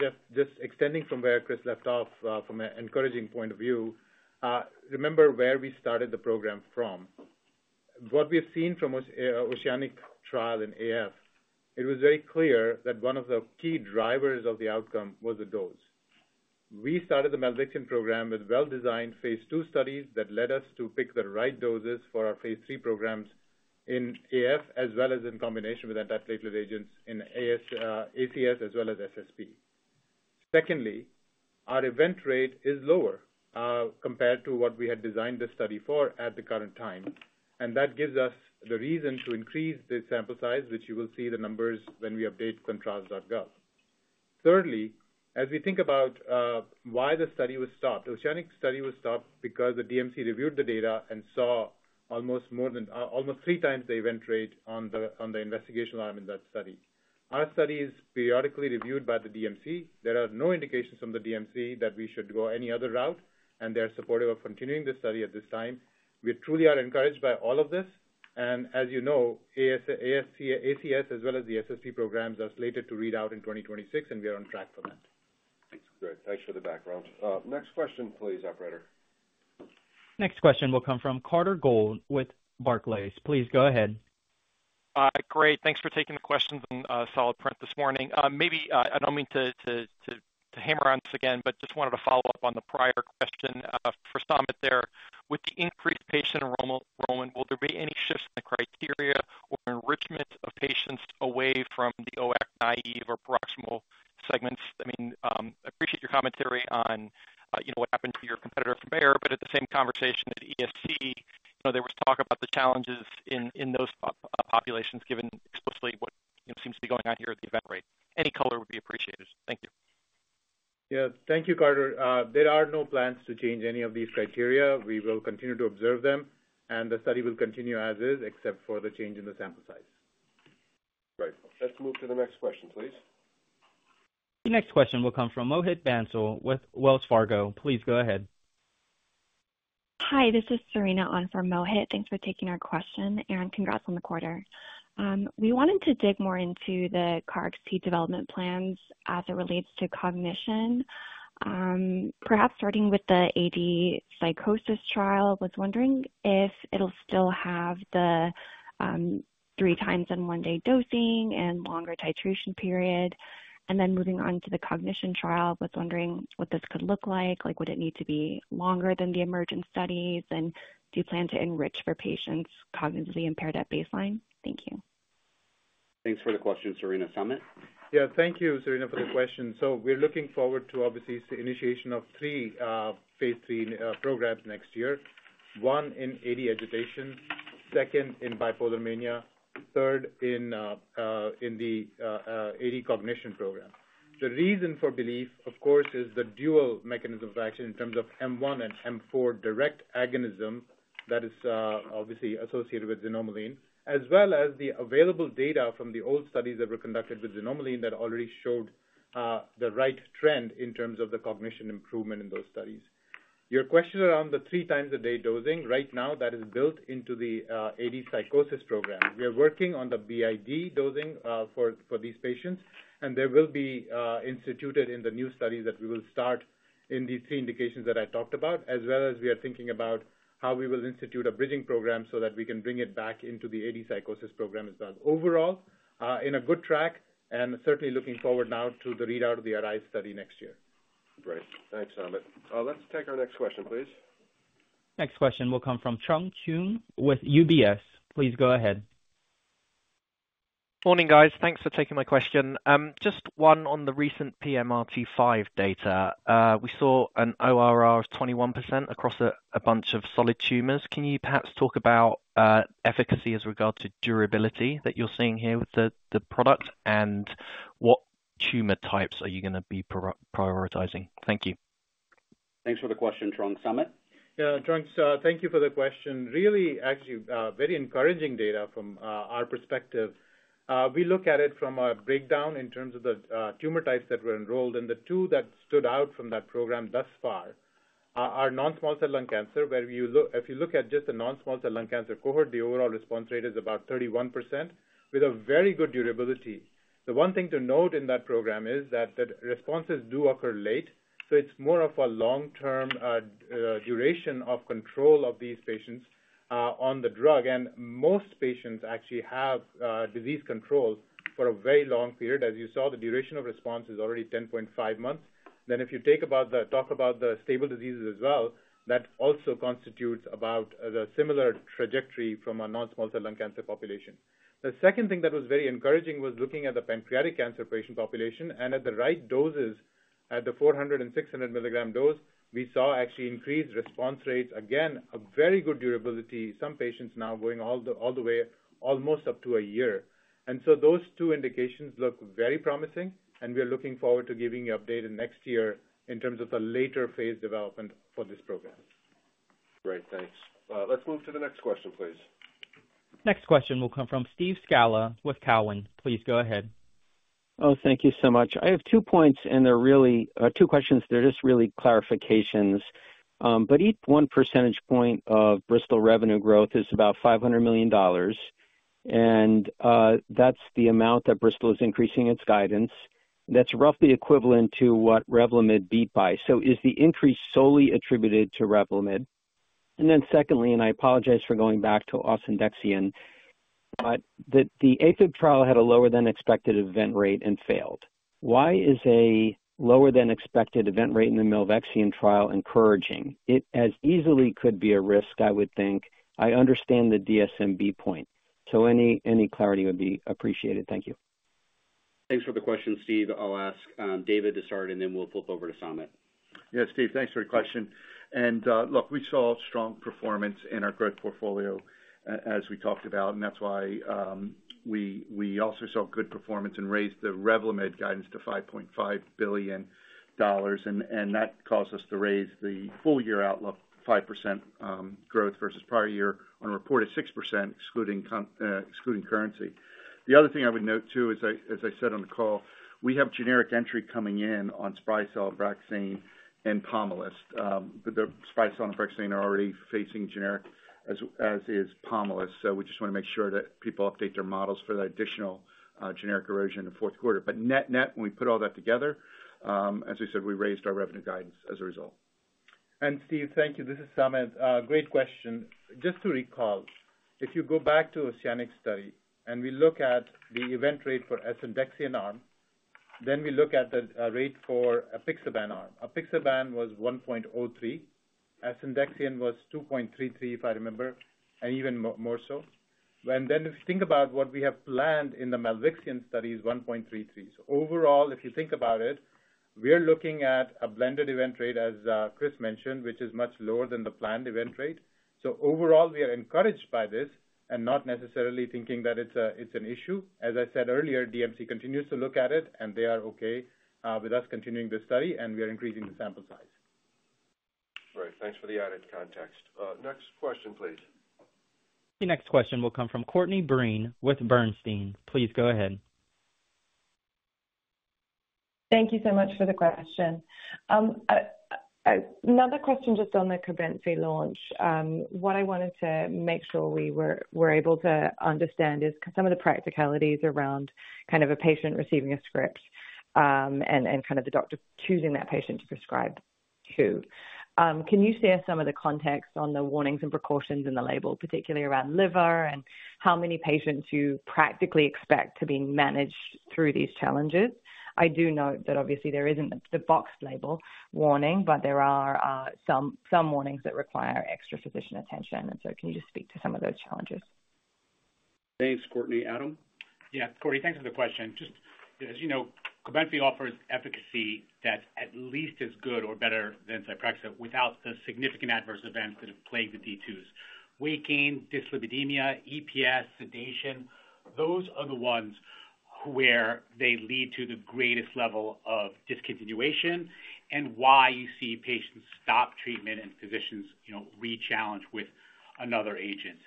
Jeff, just extending from where Chris left off from an encouraging point of view, remember where we started the program from. What we've seen from the OCEANIC trial in AF, it was very clear that one of the key drivers of the outcome was the dose. We started the milvexian program with well-designed phase I studies that led us to pick the right doses for our phase III programs in AF as well as in combination with anticoagulant agents in ACS as well as SSP. Secondly, our event rate is lower compared to what we had designed the study for at the current time, and that gives us the reason to increase the sample size, which you will see the numbers when we update ClinicalTrials.gov. Thirdly, as we think about why the study was stopped, the OCEANIC study was stopped because the DMC reviewed the data and saw almost three times the event rate on the investigational arm in that study. Our study is periodically reviewed by the DMC. There are no indications from the DMC that we should go any other route, and they are supportive of continuing the study at this time. We truly are encouraged by all of this. And as you know, ACS as well as the SSP programs are slated to read out in 2026, and we are on track for that. Thanks. Great. Thanks for the background. Next question, please, Operator. Next question will come from Carter Gould with Barclays. Please go ahead. Great. Thanks for taking the questions in solid print this morning. Maybe I don't mean to hammer on this again, but just wanted to follow up on the prior question for Samit there. With the increased patient enrollment, will there be any shifts in the criteria or enrichment of patients away from the OAC naive or proximal segments? I mean, I appreciate your commentary on what happened to your competitor from Bayer, but at the same conversation at ESC, there was talk about the challenges in those populations given explicitly what seems to be going on here with the event rate. Any color would be appreciated. Thank you. Yeah, thank you, Carter. There are no plans to change any of these criteria. We will continue to observe them, and the study will continue as is, except for the change in the sample size. Great. Let's move to the next question, please. The next question will come from Mohit Bansal with Wells Fargo. Please go ahead. Hi, this is Serena Oh from Mohit. Thanks for taking our question, and congrats on the quarter. We wanted to dig more into the KarXT development plans as it relates to cognition, perhaps starting with the AD psychosis trial. I was wondering if it'll still have the three times in one day dosing and longer titration period. And then moving on to the cognition trial, I was wondering what this could look like. Would it need to be longer than the EMERGENT studies, and do you plan to enrich for patients cognitively impaired at baseline? Thank you. Thanks for the question, Serena Oh. Yeah, thank you, Serena, for the question. So we're looking forward to, obviously, the initiation of three Phase III programs next year. One in AD agitation, second in bipolar mania, third in the AD cognition program. The reason for belief, of course, is the dual mechanism of action in terms of M1 and M4 direct agonism that is obviously associated with Xanomeline, as well as the available data from the old studies that were conducted with Xanomeline that already showed the right trend in terms of the cognition improvement in those studies. Your question around the three times a day dosing, right now that is built into the AD psychosis program. We are working on the BID dosing for these patients, and there will be instituted in the new studies that we will start in these three indications that I talked about, as well as we are thinking about how we will institute a bridging program so that we can bring it back into the AD psychosis program as well. Overall, in a good track and certainly looking forward now to the readout of the ARISE study next year. Great. Thanks, Samit. Let's take our next question, please. Next question will come from Jiang Zhang with UBS. Please go ahead. Morning, guys. Thanks for taking my question. Just one on the recent PRMT5 data. We saw an ORR of 21% across a bunch of solid tumors. Can you perhaps talk about efficacy as regards to durability that you're seeing here with the product, and what tumor types are you going to be prioritizing? Thank you. Thanks for the question, Jiang Samit. Yeah, Cheng, thank you for the question. Really, actually, very encouraging data from our perspective. We look at it from a breakdown in terms of the tumor types that were enrolled, and the two that stood out from that program thus far are non-small cell lung cancer, where if you look at just the non-small cell lung cancer cohort, the overall response rate is about 31% with a very good durability. The one thing to note in that program is that responses do occur late, so it's more of a long-term duration of control of these patients on the drug. And most patients actually have disease control for a very long period. As you saw, the duration of response is already 10.5 months. Then if you talk about the stable diseases as well, that also constitutes about the similar trajectory from a non-small cell lung cancer population. The second thing that was very encouraging was looking at the pancreatic cancer patient population, and at the right doses, at the 400 and 600 milligram dose, we saw actually increased response rates, again, a very good durability, some patients now going all the way almost up to a year, and so those two indications look very promising, and we are looking forward to giving you an update next year in terms of the later phase development for this program. Great. Thanks. Let's move to the next question, please. Next question will come from Steve Scala with Cowen. Please go ahead. Oh, thank you so much. I have two points, and they're really two questions. They're just really clarifications. But each one percentage point of Bristol revenue growth is about $500 million, and that's the amount that Bristol is increasing its guidance. That's roughly equivalent to what Revlimid beat by. So is the increase solely attributed to Revlimid? And then secondly, and I apologize for going back to asundexian, but the AFib trial had a lower-than-expected event rate and failed. Why is a lower-than-expected event rate in the milvexian trial encouraging? It as easily could be a risk, I would think. I understand the DSMB point. So any clarity would be appreciated. Thank you. Thanks for the question, Steve. I'll ask David to start, and then we'll flip over to Samit. Yeah, Steve, thanks for the question. And look, we saw strong performance in our growth portfolio, as we talked about, and that's why we also saw good performance and raised the Revlimid guidance to $5.5 billion. And that caused us to raise the full year outlook, 5% growth versus prior year on a reported 6% excluding currency. The other thing I would note, too, as I said on the call, we have generic entry coming in on Sprycel, Abraxane, and Pomalyst. The Sprycel, Abraxane are already facing generic, as is Pomalyst. So we just want to make sure that people update their models for the additional generic erosion in the fourth quarter. But net-net, when we put all that together, as we said, we raised our revenue guidance as a result. And Steve, thank you. This is Samit. Great question. Just to recall, if you go back to the Oceanic study and we look at the event rate for asundexian arm, then we look at the rate for apixaban arm. Apixaban was 1.03. Asundexian was 2.33, if I remember, and even more so. And then if you think about what we have planned in the milvexian study is 1.33. So overall, if you think about it, we're looking at a blended event rate, as Chris mentioned, which is much lower than the planned event rate. So overall, we are encouraged by this and not necessarily thinking that it's an issue. As I said earlier, DMC continues to look at it, and they are okay with us continuing the study, and we are increasing the sample size. Great. Thanks for the added context. Next question, please. The next question will come from Courtney Breen with Bernstein. Please go ahead. Thank you so much for the question. Another question just on the Breyanzi launch. What I wanted to make sure we were able to understand is some of the practicalities around kind of a patient receiving a script and kind of the doctor choosing that patient to prescribe to. Can you share some of the context on the warnings and precautions in the label, particularly around liver and how many patients you practically expect to be managed through these challenges? I do note that obviously there isn't the boxed warning, but there are some warnings that require extra physician attention, and so can you just speak to some of those challenges? Thanks, Courtney. Adam? Yeah, Courtney, thanks for the question. Just as you know, Cobenfy offers efficacy that's at least as good or better than Zyprexa without the significant adverse events that have plagued the D2s. Weight gain, dyslipidemia, EPS, sedation, those are the ones where they lead to the greatest level of discontinuation and why you see patients stop treatment and physicians re-challenge with another agent.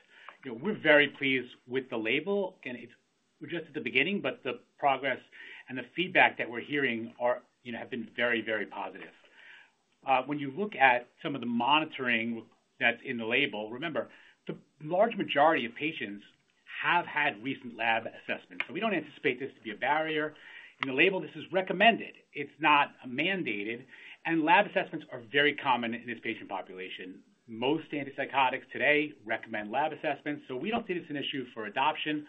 We're very pleased with the label, and it's just at the beginning, but the progress and the feedback that we're hearing have been very, very positive. When you look at some of the monitoring that's in the label, remember, the large majority of patients have had recent lab assessments. So we don't anticipate this to be a barrier. In the label, this is recommended. It's not mandated. And lab assessments are very common in this patient population. Most antipsychotics today recommend lab assessments. So we don't see this as an issue for adoption.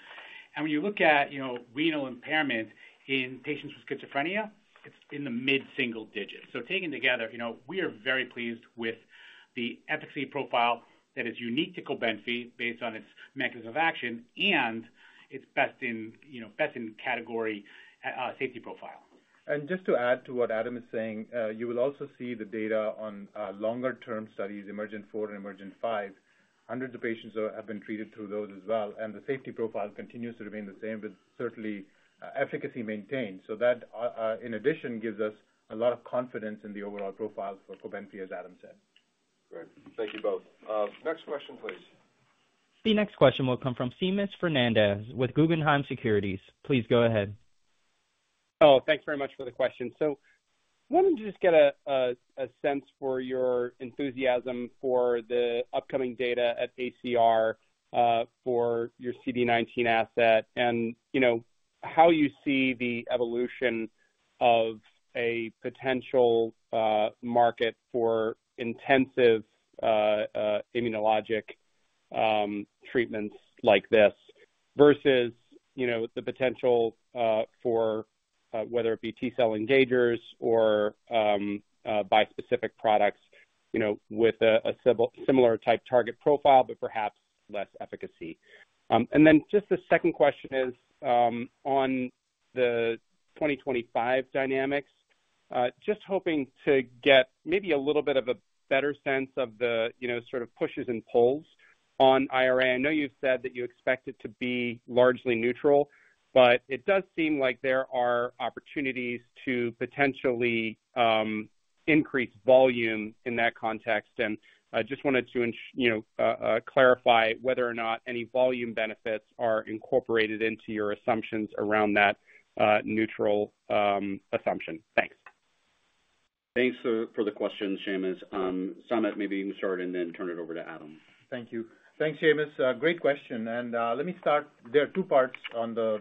And when you look at renal impairment in patients with schizophrenia, it's in the mid-single digits. So taken together, we are very pleased with the efficacy profile that is unique to Cobenfy based on its mechanism of action and its best-in-category safety profile. And just to add to what Adam is saying, you will also see the data on longer-term studies, EMERGENT 4 and EMERGENT 5. Hundreds of patients have been treated through those as well. And the safety profile continues to remain the same, with certainly efficacy maintained. So that, in addition, gives us a lot of confidence in the overall profile for Cobenfy, as Adam said. Great. Thank you both. Next question, please. The next question will come from Seamus Fernandez with Guggenheim Securities. Please go ahead. Oh, thanks very much for the question. So I wanted to just get a sense for your enthusiasm for the upcoming data at ACR for your CD19 asset and how you see the evolution of a potential market for intensive immunologic treatments like this versus the potential for whether it be T-cell engagers or bispecific products with a similar type target profile, but perhaps less efficacy. And then just the second question is on the 2025 dynamics, just hoping to get maybe a little bit of a better sense of the sort of pushes and pulls on IRA. I know you've said that you expect it to be largely neutral, but it does seem like there are opportunities to potentially increase volume in that context. And I just wanted to clarify whether or not any volume benefits are incorporated into your assumptions around that neutral assumption. Thanks. Thanks for the question, Seamus. Samit, maybe you can start and then turn it over to Adam. Thank you. Thanks, Seamus. Great question. And let me start. There are two parts on the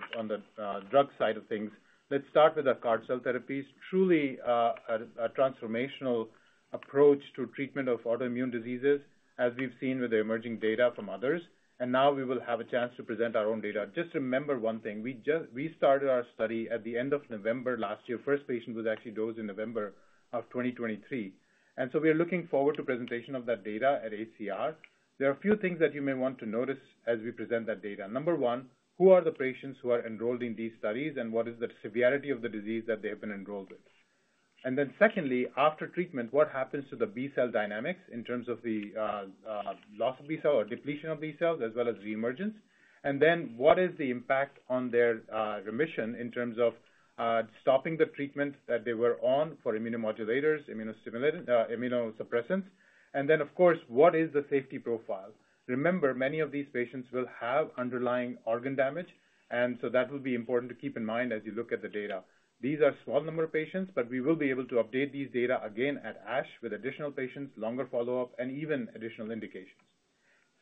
drug side of things. Let's start with the CAR-T cell therapies. Truly a transformational approach to treatment of autoimmune diseases, as we've seen with the emerging data from others. And now we will have a chance to present our own data. Just remember one thing. We started our study at the end of November last year. The first patient was actually dosed in November of 2023. And so we are looking forward to the presentation of that data at ACR. There are a few things that you may want to notice as we present that data. Number one, who are the patients who are enrolled in these studies, and what is the severity of the disease that they have been enrolled with? And then secondly, after treatment, what happens to the B-cell dynamics in terms of the loss of B-cell or depletion of B-cells, as well as reemergence? And then what is the impact on their remission in terms of stopping the treatment that they were on for immunomodulators, immunosuppressants? And then, of course, what is the safety profile? Remember, many of these patients will have underlying organ damage, and so that will be important to keep in mind as you look at the data. These are a small number of patients, but we will be able to update these data again at ASH with additional patients, longer follow-up, and even additional indications.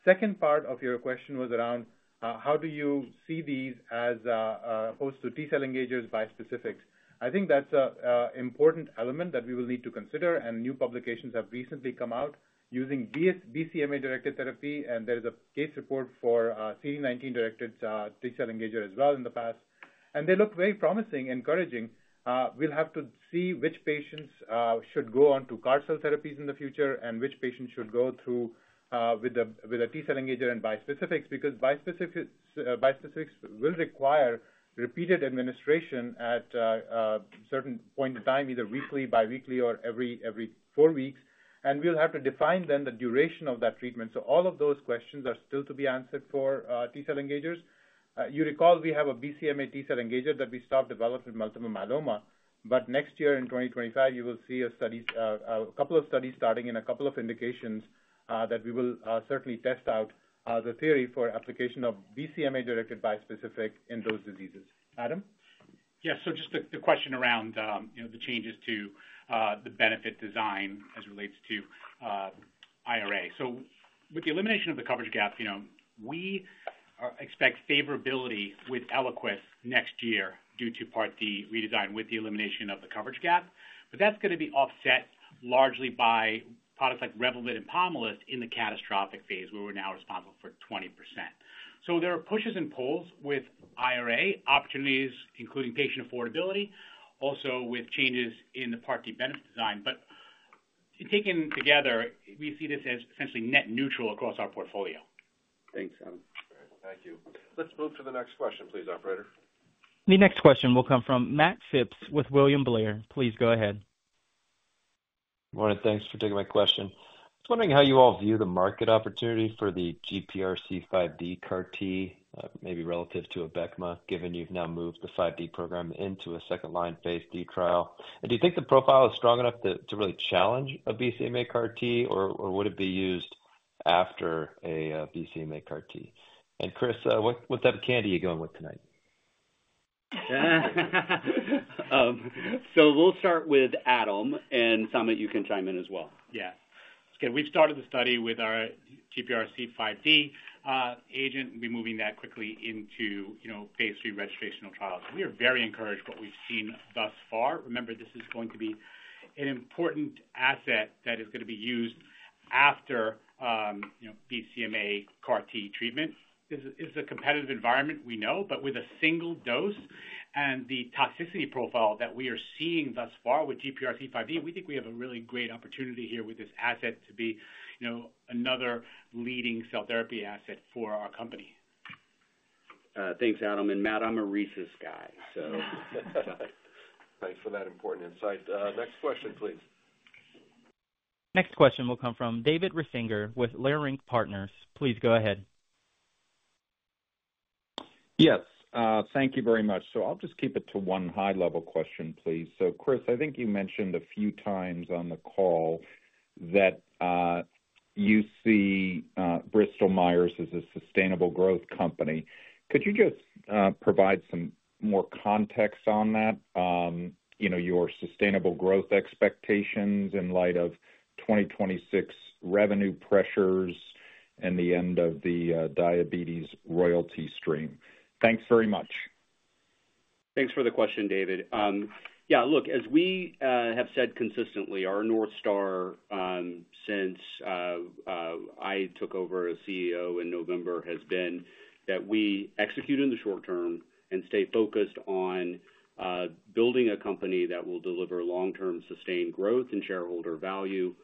The second part of your question was around how do you see these as opposed to T-cell engagers, bispecifics? I think that's an important element that we will need to consider. New publications have recently come out using BCMA-directed therapy, and there is a case report for CD19-directed T-cell engager as well in the past. They look very promising, encouraging. We'll have to see which patients should go on to CAR-T cell therapies in the future and which patients should go through with a T-cell engager and bispecifics because bispecifics will require repeated administration at a certain point in time, either weekly, biweekly, or every four weeks. We'll have to define then the duration of that treatment. All of those questions are still to be answered for T-cell engagers. You recall we have a BCMA T-cell engager that we stopped developing in multiple myeloma, but next year in 2025, you will see a couple of studies starting in a couple of indications that we will certainly test out the theory for application of BCMA-directed bispecific in those diseases. Adam? Yeah. So just the question around the changes to the benefit design as it relates to IRA. So with the elimination of the coverage gap, we expect favorability with Eliquis next year due to Part D redesign with the elimination of the coverage gap. But that's going to be offset largely by products like Revlimid and Pomalyst in the catastrophic phase where we're now responsible for 20%. So there are pushes and pulls with IRA, opportunities including patient affordability, also with changes in the Part D benefit design. But taken together, we see this as essentially net-neutral across our portfolio. Thanks, Adam. Thank you. Let's move to the next question, please, operator. The next question will come from Matt Phipps with William Blair. Please go ahead. Good morning. Thanks for taking my question. I was wondering how you all view the market opportunity for the GPRC5D CAR-T, maybe relative to Abecma, given you've now moved the 5D program into a second-line phase 3 trial. And do you think the profile is strong enough to really challenge a BCMA CAR-T, or would it be used after a BCMA CAR-T? And Chris, what type of candy are you going with tonight? So we'll start with Adam, and Samit, you can chime in as well. Yeah. It's good. We've started the study with our GPRC5D agent. We'll be moving that quickly into phase 3 registrational trials. We are very encouraged by what we've seen thus far. Remember, this is going to be an important asset that is going to be used after BCMA CAR-T treatment. This is a competitive environment, we know, but with a single dose. And the toxicity profile that we are seeing thus far with GPRC5D, we think we have a really great opportunity here with this asset to be another leading cell therapy asset for our company. Thanks, Adam. And Matt, I'm a Reese's guy, so. Thanks for that important insight. Next question, please. Next question will come from David Risinger with Leerink Partners. Please go ahead. Yes. Thank you very much. So I'll just keep it to one high-level question, please. So Chris, I think you mentioned a few times on the call that you see Bristol-Myers as a sustainable growth company. Could you just provide some more context on that, your sustainable growth expectations in light of 2026 revenue pressures and the end of the diabetes royalty stream? Thanks very much. Thanks for the question, David. Yeah. Look, as we have said consistently, our North Star since I took over as CEO in November has been that we execute in the short term and stay focused on building a company that will deliver long-term sustained growth and shareholder value,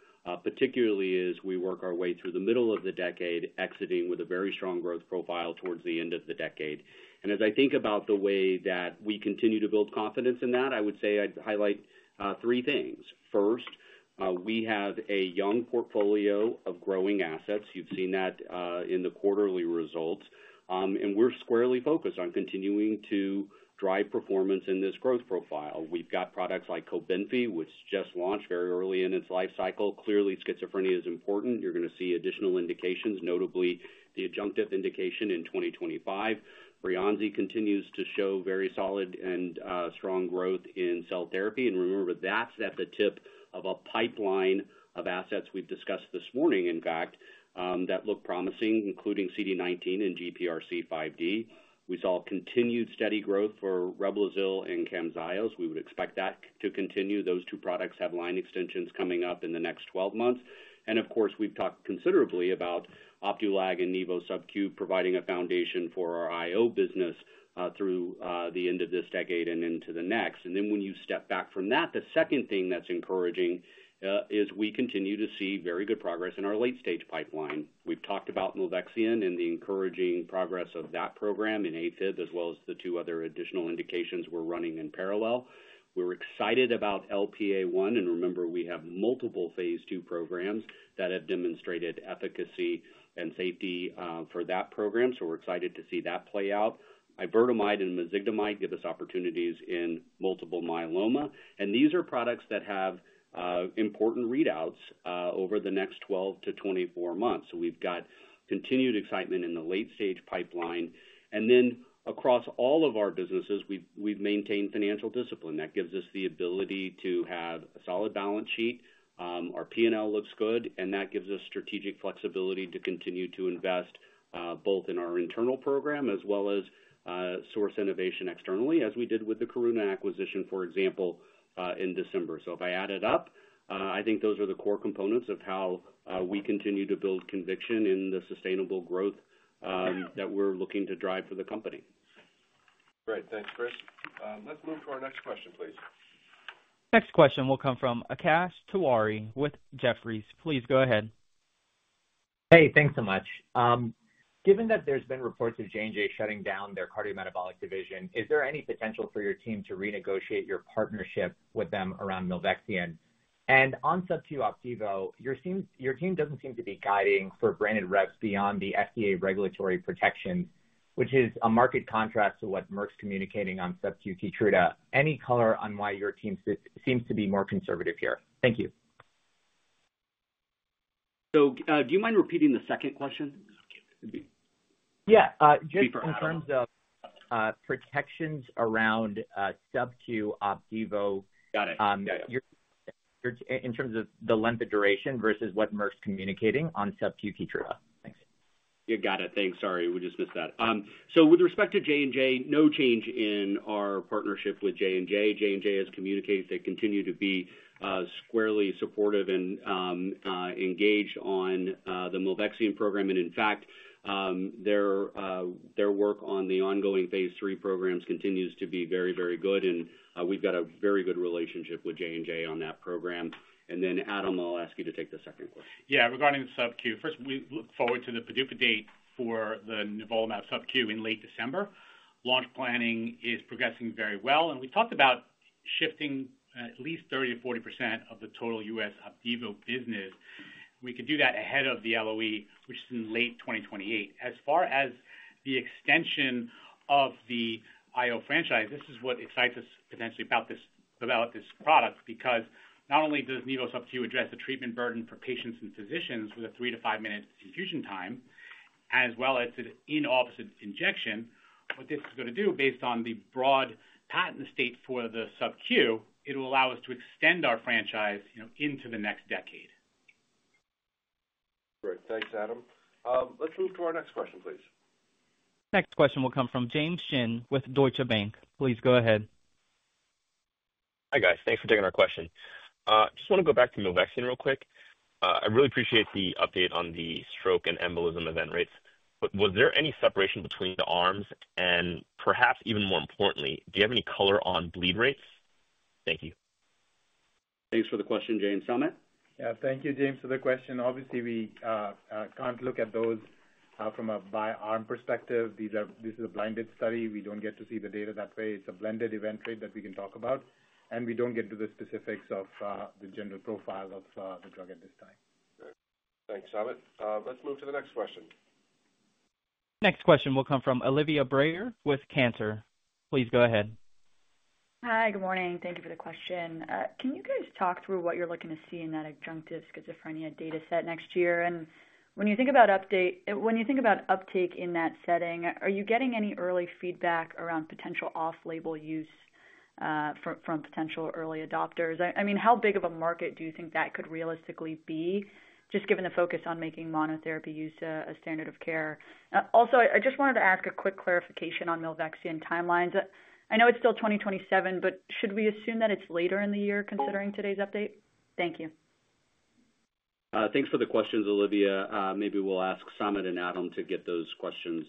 particularly as we work our way through the middle of the decade, exiting with a very strong growth profile towards the end of the decade. And as I think about the way that we continue to build confidence in that, I would say I'd highlight three things. First, we have a young portfolio of growing assets. You've seen that in the quarterly results. And we're squarely focused on continuing to drive performance in this growth profile. We've got products like Cobenfy, which just launched very early in its life cycle. Clearly, schizophrenia is important. You're going to see additional indications, notably the adjunctive indication in 2025. Breyanzi continues to show very solid and strong growth in cell therapy, and remember, that's at the tip of a pipeline of assets we've discussed this morning, in fact, that look promising, including CD19 and GPRC5D. We saw continued steady growth for Reblizil and Camzyos. We would expect that to continue. Those two products have line extensions coming up in the next 12 months, and of course, we've talked considerably about Opdualag and nivolumab SubQ, providing a foundation for our IO business through the end of this decade and into the next, and then when you step back from that, the second thing that's encouraging is we continue to see very good progress in our late-stage pipeline. We've talked about milvexian and the encouraging progress of that program in AFib, as well as the two other additional indications we're running in parallel. We're excited about LPA1. And remember, we have multiple phase 2 programs that have demonstrated efficacy and safety for that program. So we're excited to see that play out.iberdomide and mezigdomide give us opportunities in multiple myeloma. And these are products that have important readouts over the next 12 to 24 months. So we've got continued excitement in the late-stage pipeline. And then across all of our businesses, we've maintained financial discipline. That gives us the ability to have a solid balance sheet. Our P&L looks good, and that gives us strategic flexibility to continue to invest both in our internal program as well as source innovation externally, as we did with the Karuna acquisition, for example, in December. So if I add it up, I think those are the core components of how we continue to build conviction in the sustainable growth that we're looking to drive for the company. Great. Thanks, Chris. Let's move to our next question, please. Next question will come from Akash Tewari with Jefferies. Please go ahead. Hey, thanks so much. Given that there's been reports of J&J shutting down their cardiometabolic division, is there any potential for your team to renegotiate your partnership with them around milvexian? And on SubQ Opdivo, your team doesn't seem to be guiding for branded reps beyond the FDA regulatory protections, which is a marked contrast to what Merck's communicating on SubQ Keytruda. Any color on why your team seems to be more conservative here? Thank you. So do you mind repeating the second question? Yeah. Just in terms of protections around SubQ Opdivo. Got it. Got it. In terms of the length of duration versus what Merck's communicating on SubQ Keytruda? Thanks. You got it. Thanks. Sorry, we just missed that. So with respect to J&J, no change in our partnership with J&J. J&J has communicated they continue to be squarely supportive and engaged on the milvexian program. And in fact, their work on the ongoing phase 3 programs continues to be very, very good. And we've got a very good relationship with J&J on that program. And then, Adam, I'll ask you to take the second question. Yeah. Regarding the SubQ, first, we look forward to the PDUFA date for the nivolumab SubQ in late December. Launch planning is progressing very well, and we've talked about shifting at least 30%-40% of the total U.S. Opdivo business. We could do that ahead of the LOE, which is in late 2028. As far as the extension of the IO franchise, this is what excites us potentially about this product because not only does nivolumab SubQ address the treatment burden for patients and physicians with a three- to five-minute infusion time, as well as an in-office injection, what this is going to do, based on the broad patent estate for the SubQ, it will allow us to extend our franchise into the next decade. Great. Thanks, Adam. Let's move to our next question, please. Next question will come from James Shin with Deutsche Bank. Please go ahead. Hi guys. Thanks for taking our question. Just want to go back to milvexian real quick. I really appreciate the update on the stroke and embolism event rates. But was there any separation between the arms? And perhaps even more importantly, do you have any color on bleed rates? Thank you. Thanks for the question, James. Samit? Yeah. Thank you, James, for the question. Obviously, we can't look at those from a by-arm perspective. This is a blinded study. We don't get to see the data that way. It's a blended event rate that we can talk about. And we don't get to the specifics of the general profile of the drug at this time. Thanks, Samit. Let's move to the next question. Next question will come from Olivia Brayer with Cantor Fitzgerald. Please go ahead. Hi, good morning. Thank you for the question. Can you guys talk through what you're looking to see in that adjunctive schizophrenia data set next year? And when you think about update when you think about uptake in that setting, are you getting any early feedback around potential off-label use from potential early adopters? I mean, how big of a market do you think that could realistically be, just given the focus on making monotherapy use a standard of care? Also, I just wanted to ask a quick clarification on nivolumab timelines. I know it's still 2027, but should we assume that it's later in the year considering today's update? Thank you. Thanks for the questions, Olivia. Maybe we'll ask Samit and Adam to get those questions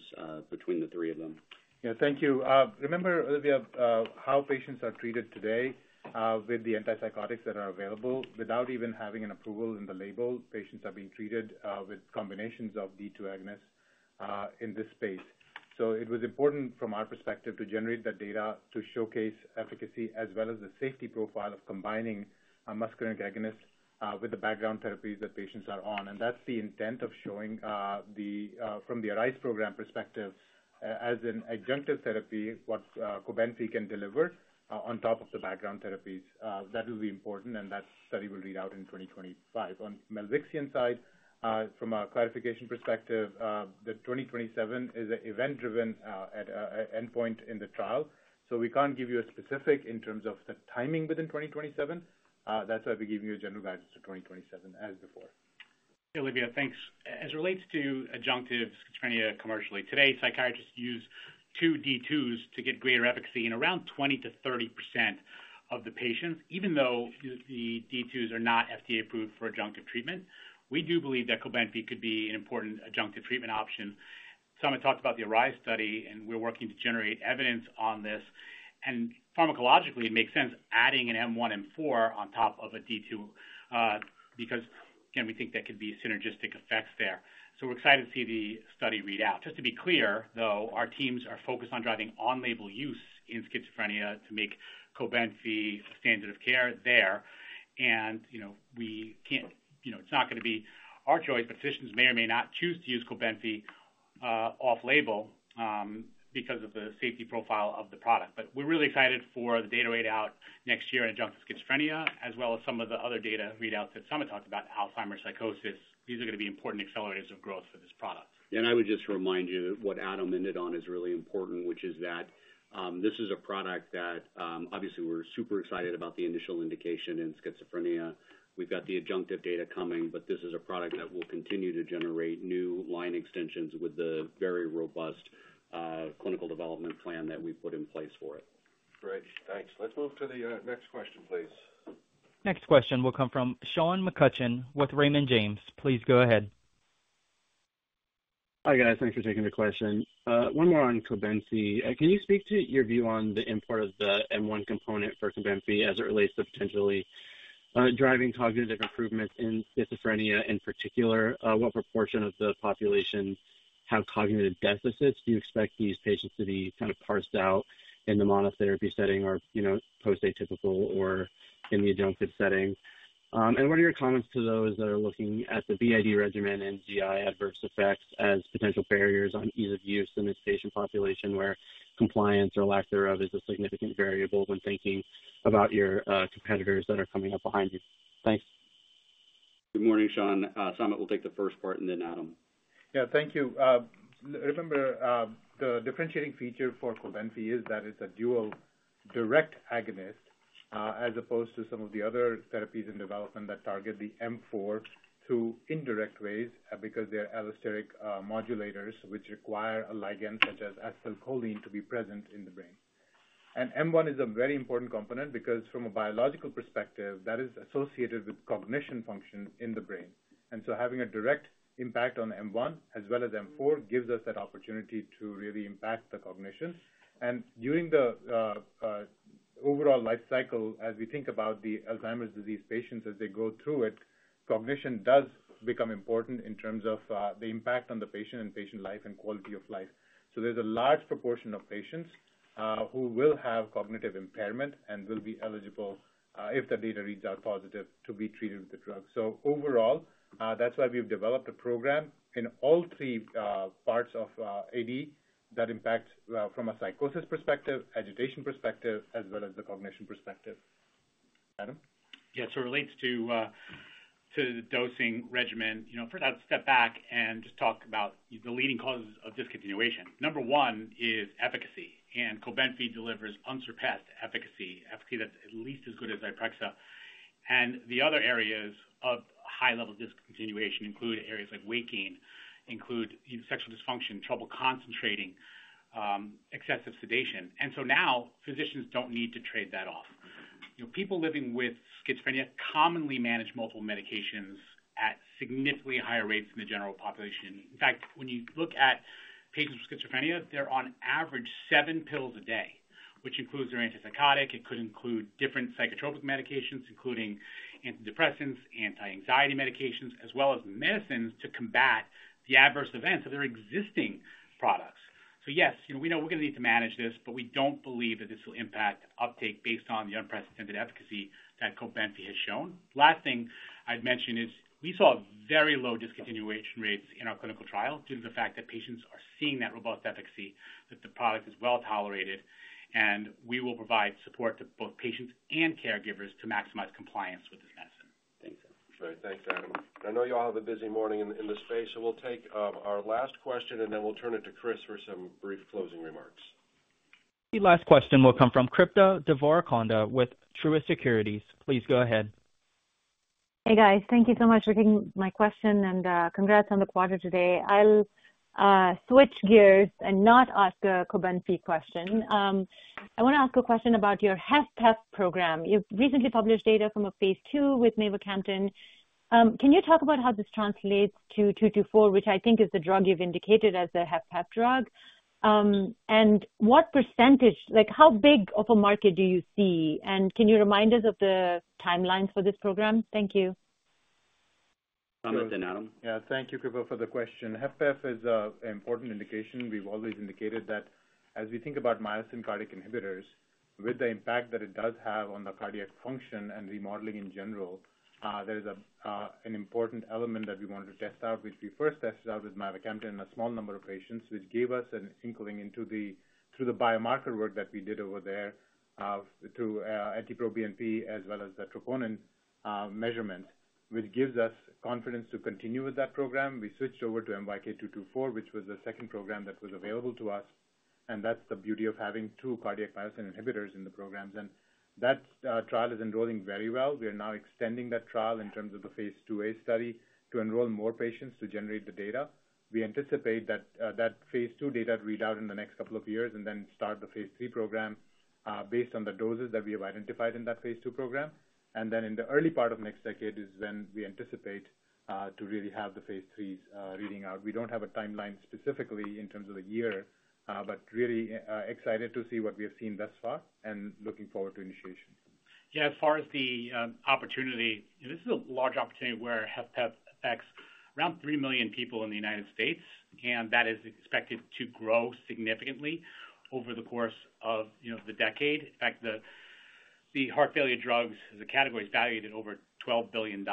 between the three of them. Yeah. Thank you. Remember, Olivia, how patients are treated today with the antipsychotics that are available without even having an approval in the label. Patients are being treated with combinations of D2 agonists in this space. So it was important from our perspective to generate that data to showcase efficacy as well as the safety profile of combining a muscarinic agonist with the background therapies that patients are on. And that's the intent of showing from the ARISE program perspective, as an adjunctive therapy, what Cobenfy can deliver on top of the background therapies. That will be important, and that study will read out in 2025. On milvexian side, from a clarification perspective, the 2027 is an event-driven endpoint in the trial. So we can't give you a specific in terms of the timing within 2027. That's why we're giving you a general guidance for 2027 as before. Olivia, thanks. As it relates to adjunctive schizophrenia commercially, today, psychiatrists use two D2s to get greater efficacy in around 20%-30% of the patients, even though the D2s are not FDA-approved for adjunctive treatment. We do believe that Cobenfy could be an important adjunctive treatment option. Samit talked about the ARISE study, and we're working to generate evidence on this, and pharmacologically, it makes sense adding an M1, M4 on top of a D2 because, again, we think there could be synergistic effects there, so we're excited to see the study read out. Just to be clear, though, our teams are focused on driving on-label use in schizophrenia to make Cobenfy a standard of care there, and it's not going to be our choice, but physicians may or may not choose to use Cobenfy off-label because of the safety profile of the product. But we're really excited for the data readout next year in adjunctive schizophrenia, as well as some of the other data readouts that Samit talked about, Alzheimer's psychosis. These are going to be important accelerators of growth for this product. And I would just remind you that what Adam ended on is really important, which is that this is a product that obviously we're super excited about the initial indication in schizophrenia. We've got the adjunctive data coming, but this is a product that will continue to generate new line extensions with the very robust clinical development plan that we put in place for it. Great. Thanks. Let's move to the next question, please. Next question will come from Sean McCutcheon with Raymond James. Please go ahead. Hi guys. Thanks for taking the question. One more on Cobenfy. Can you speak to your view on the import of the M1 component for Cobenfy as it relates to potentially driving cognitive improvements in schizophrenia in particular? What proportion of the population have cognitive deficits? Do you expect these patients to be kind of parsed out in the monotherapy setting or post-atypical or in the adjunctive setting? And what are your comments to those that are looking at the BID regimen and GI adverse effects as potential barriers on ease of use in this patient population where compliance or lack thereof is a significant variable when thinking about your competitors that are coming up behind you? Thanks. Good morning, Sean. Samit will take the first part, and then Adam. Yeah. Thank you. Remember, the differentiating feature for Cobenfy is that it's a dual direct agonist as opposed to some of the other therapies in development that target the M4 through indirect ways because they're allosteric modulators which require a ligand such as acetylcholine to be present in the brain. And M1 is a very important component because from a biological perspective, that is associated with cognitive function in the brain. And so having a direct impact on M1 as well as M4 gives us that opportunity to really impact the cognition. And during the overall life cycle, as we think about the Alzheimer's disease patients as they go through it, cognition does become important in terms of the impact on the patient and patient life and quality of life. So there's a large proportion of patients who will have cognitive impairment and will be eligible, if the data reads out positive, to be treated with the drug. So overall, that's why we've developed a program in all three parts of AD that impacts from a psychosis perspective, agitation perspective, as well as the cognition perspective. Adam? Yeah. So it relates to the dosing regimen. First, I'd step back and just talk about the leading causes of discontinuation. Number one is efficacy. And Cobenfy delivers unsurpassed efficacy, efficacy that's at least as good as Zyprexa. And the other areas of high-level discontinuation include areas like weight gain, include sexual dysfunction, trouble concentrating, excessive sedation. And so now physicians don't need to trade that off. People living with schizophrenia commonly manage multiple medications at significantly higher rates than the general population. In fact, when you look at patients with schizophrenia, they're on average seven pills a day, which includes their antipsychotic. It could include different psychotropic medications, including antidepressants, anti-anxiety medications, as well as medicines to combat the adverse events of their existing products. So yes, we know we're going to need to manage this, but we don't believe that this will impact uptake based on the unprecedented efficacy that Cobenfy has shown. Last thing I'd mention is we saw very low discontinuation rates in our clinical trial due to the fact that patients are seeing that robust efficacy, that the product is well tolerated. And we will provide support to both patients and caregivers to maximize compliance with this medicine. Thanks, Samit. Great. Thanks, Adam. I know you all have a busy morning in the space, so we'll take our last question, and then we'll turn it to Chris for some brief closing remarks. Last question will come from Kripa Devarakonda with Truist Securities. Please go ahead. Hey, guys. Thank you so much for taking my question, and congrats on the quarter today. I'll switch gears and not ask a Cobenfy question. I want to ask a question about your HFpEF program. You've recently published data from a phase 2 with mavacamten. Can you talk about how this translates to 224, which I think is the drug you've indicated as the HFpEF drug? And what percentage, how big of a market do you see? And can you remind us of the timelines for this program? Thank you. Samit and Adam? Yeah. Thank you, Kripa, for the question. HFpEF is an important indication. We've always indicated that as we think about cardiac myosin inhibitors, with the impact that it does have on the cardiac function and remodeling in general, there is an important element that we wanted to test out, which we first tested out with mavacamten in a small number of patients, which gave us an inkling through the biomarker work that we did over there through NT-proBNP as well as the troponin measurement, which gives us confidence to continue with that program. We switched over to MYK-224, which was the second program that was available to us. And that's the beauty of having two cardiac myosin inhibitors in the programs. And that trial is enrolling very well. We are now extending that trial in terms of the phase 2a study to enroll more patients to generate the data. We anticipate that phase 2 data readout in the next couple of years and then start the phase 3 program based on the doses that we have identified in that phase 2 program. And then in the early part of next decade is when we anticipate to really have the phase 3's reading out. We don't have a timeline specifically in terms of a year, but really excited to see what we have seen thus far and looking forward to initiation. Yeah. As far as the opportunity, this is a large opportunity where HFpEF affects around three million people in the United States, and that is expected to grow significantly over the course of the decade. In fact, the heart failure drugs, the category's valued at over $12 billion in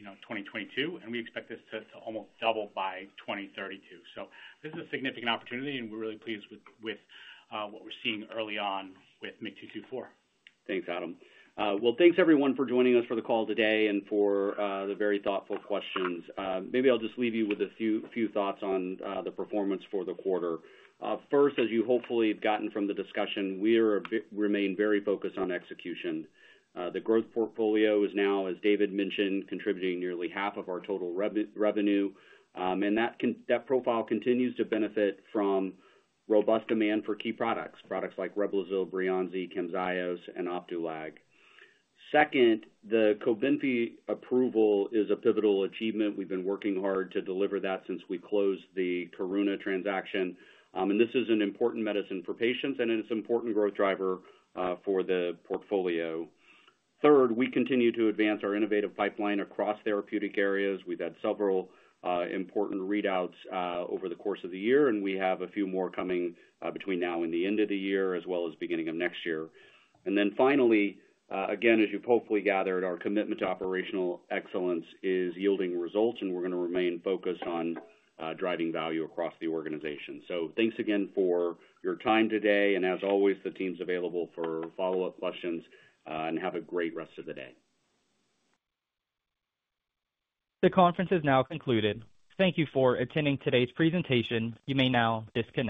2022, and we expect this to almost double by 2032. So this is a significant opportunity, and we're really pleased with what we're seeing early on with MYK-224. Thanks, Adam. Well, thanks everyone for joining us for the call today and for the very thoughtful questions. Maybe I'll just leave you with a few thoughts on the performance for the quarter. First, as you hopefully have gotten from the discussion, we remain very focused on execution. The growth portfolio is now, as David mentioned, contributing nearly half of our total revenue. And that profile continues to benefit from robust demand for key products, products like Reblozyl, Breyanzi, Camzyos, and Opdualag. Second, the Cobenfy approval is a pivotal achievement. We've been working hard to deliver that since we closed the Karuna transaction. And this is an important medicine for patients, and it's an important growth driver for the portfolio. Third, we continue to advance our innovative pipeline across therapeutic areas. We've had several important readouts over the course of the year, and we have a few more coming between now and the end of the year, as well as beginning of next year. And then finally, again, as you've hopefully gathered, our commitment to operational excellence is yielding results, and we're going to remain focused on driving value across the organization. So thanks again for your time today. And as always, the team's available for follow-up questions, and have a great rest of the day. The conference is now concluded. Thank you for attending today's presentation. You may now disconnect.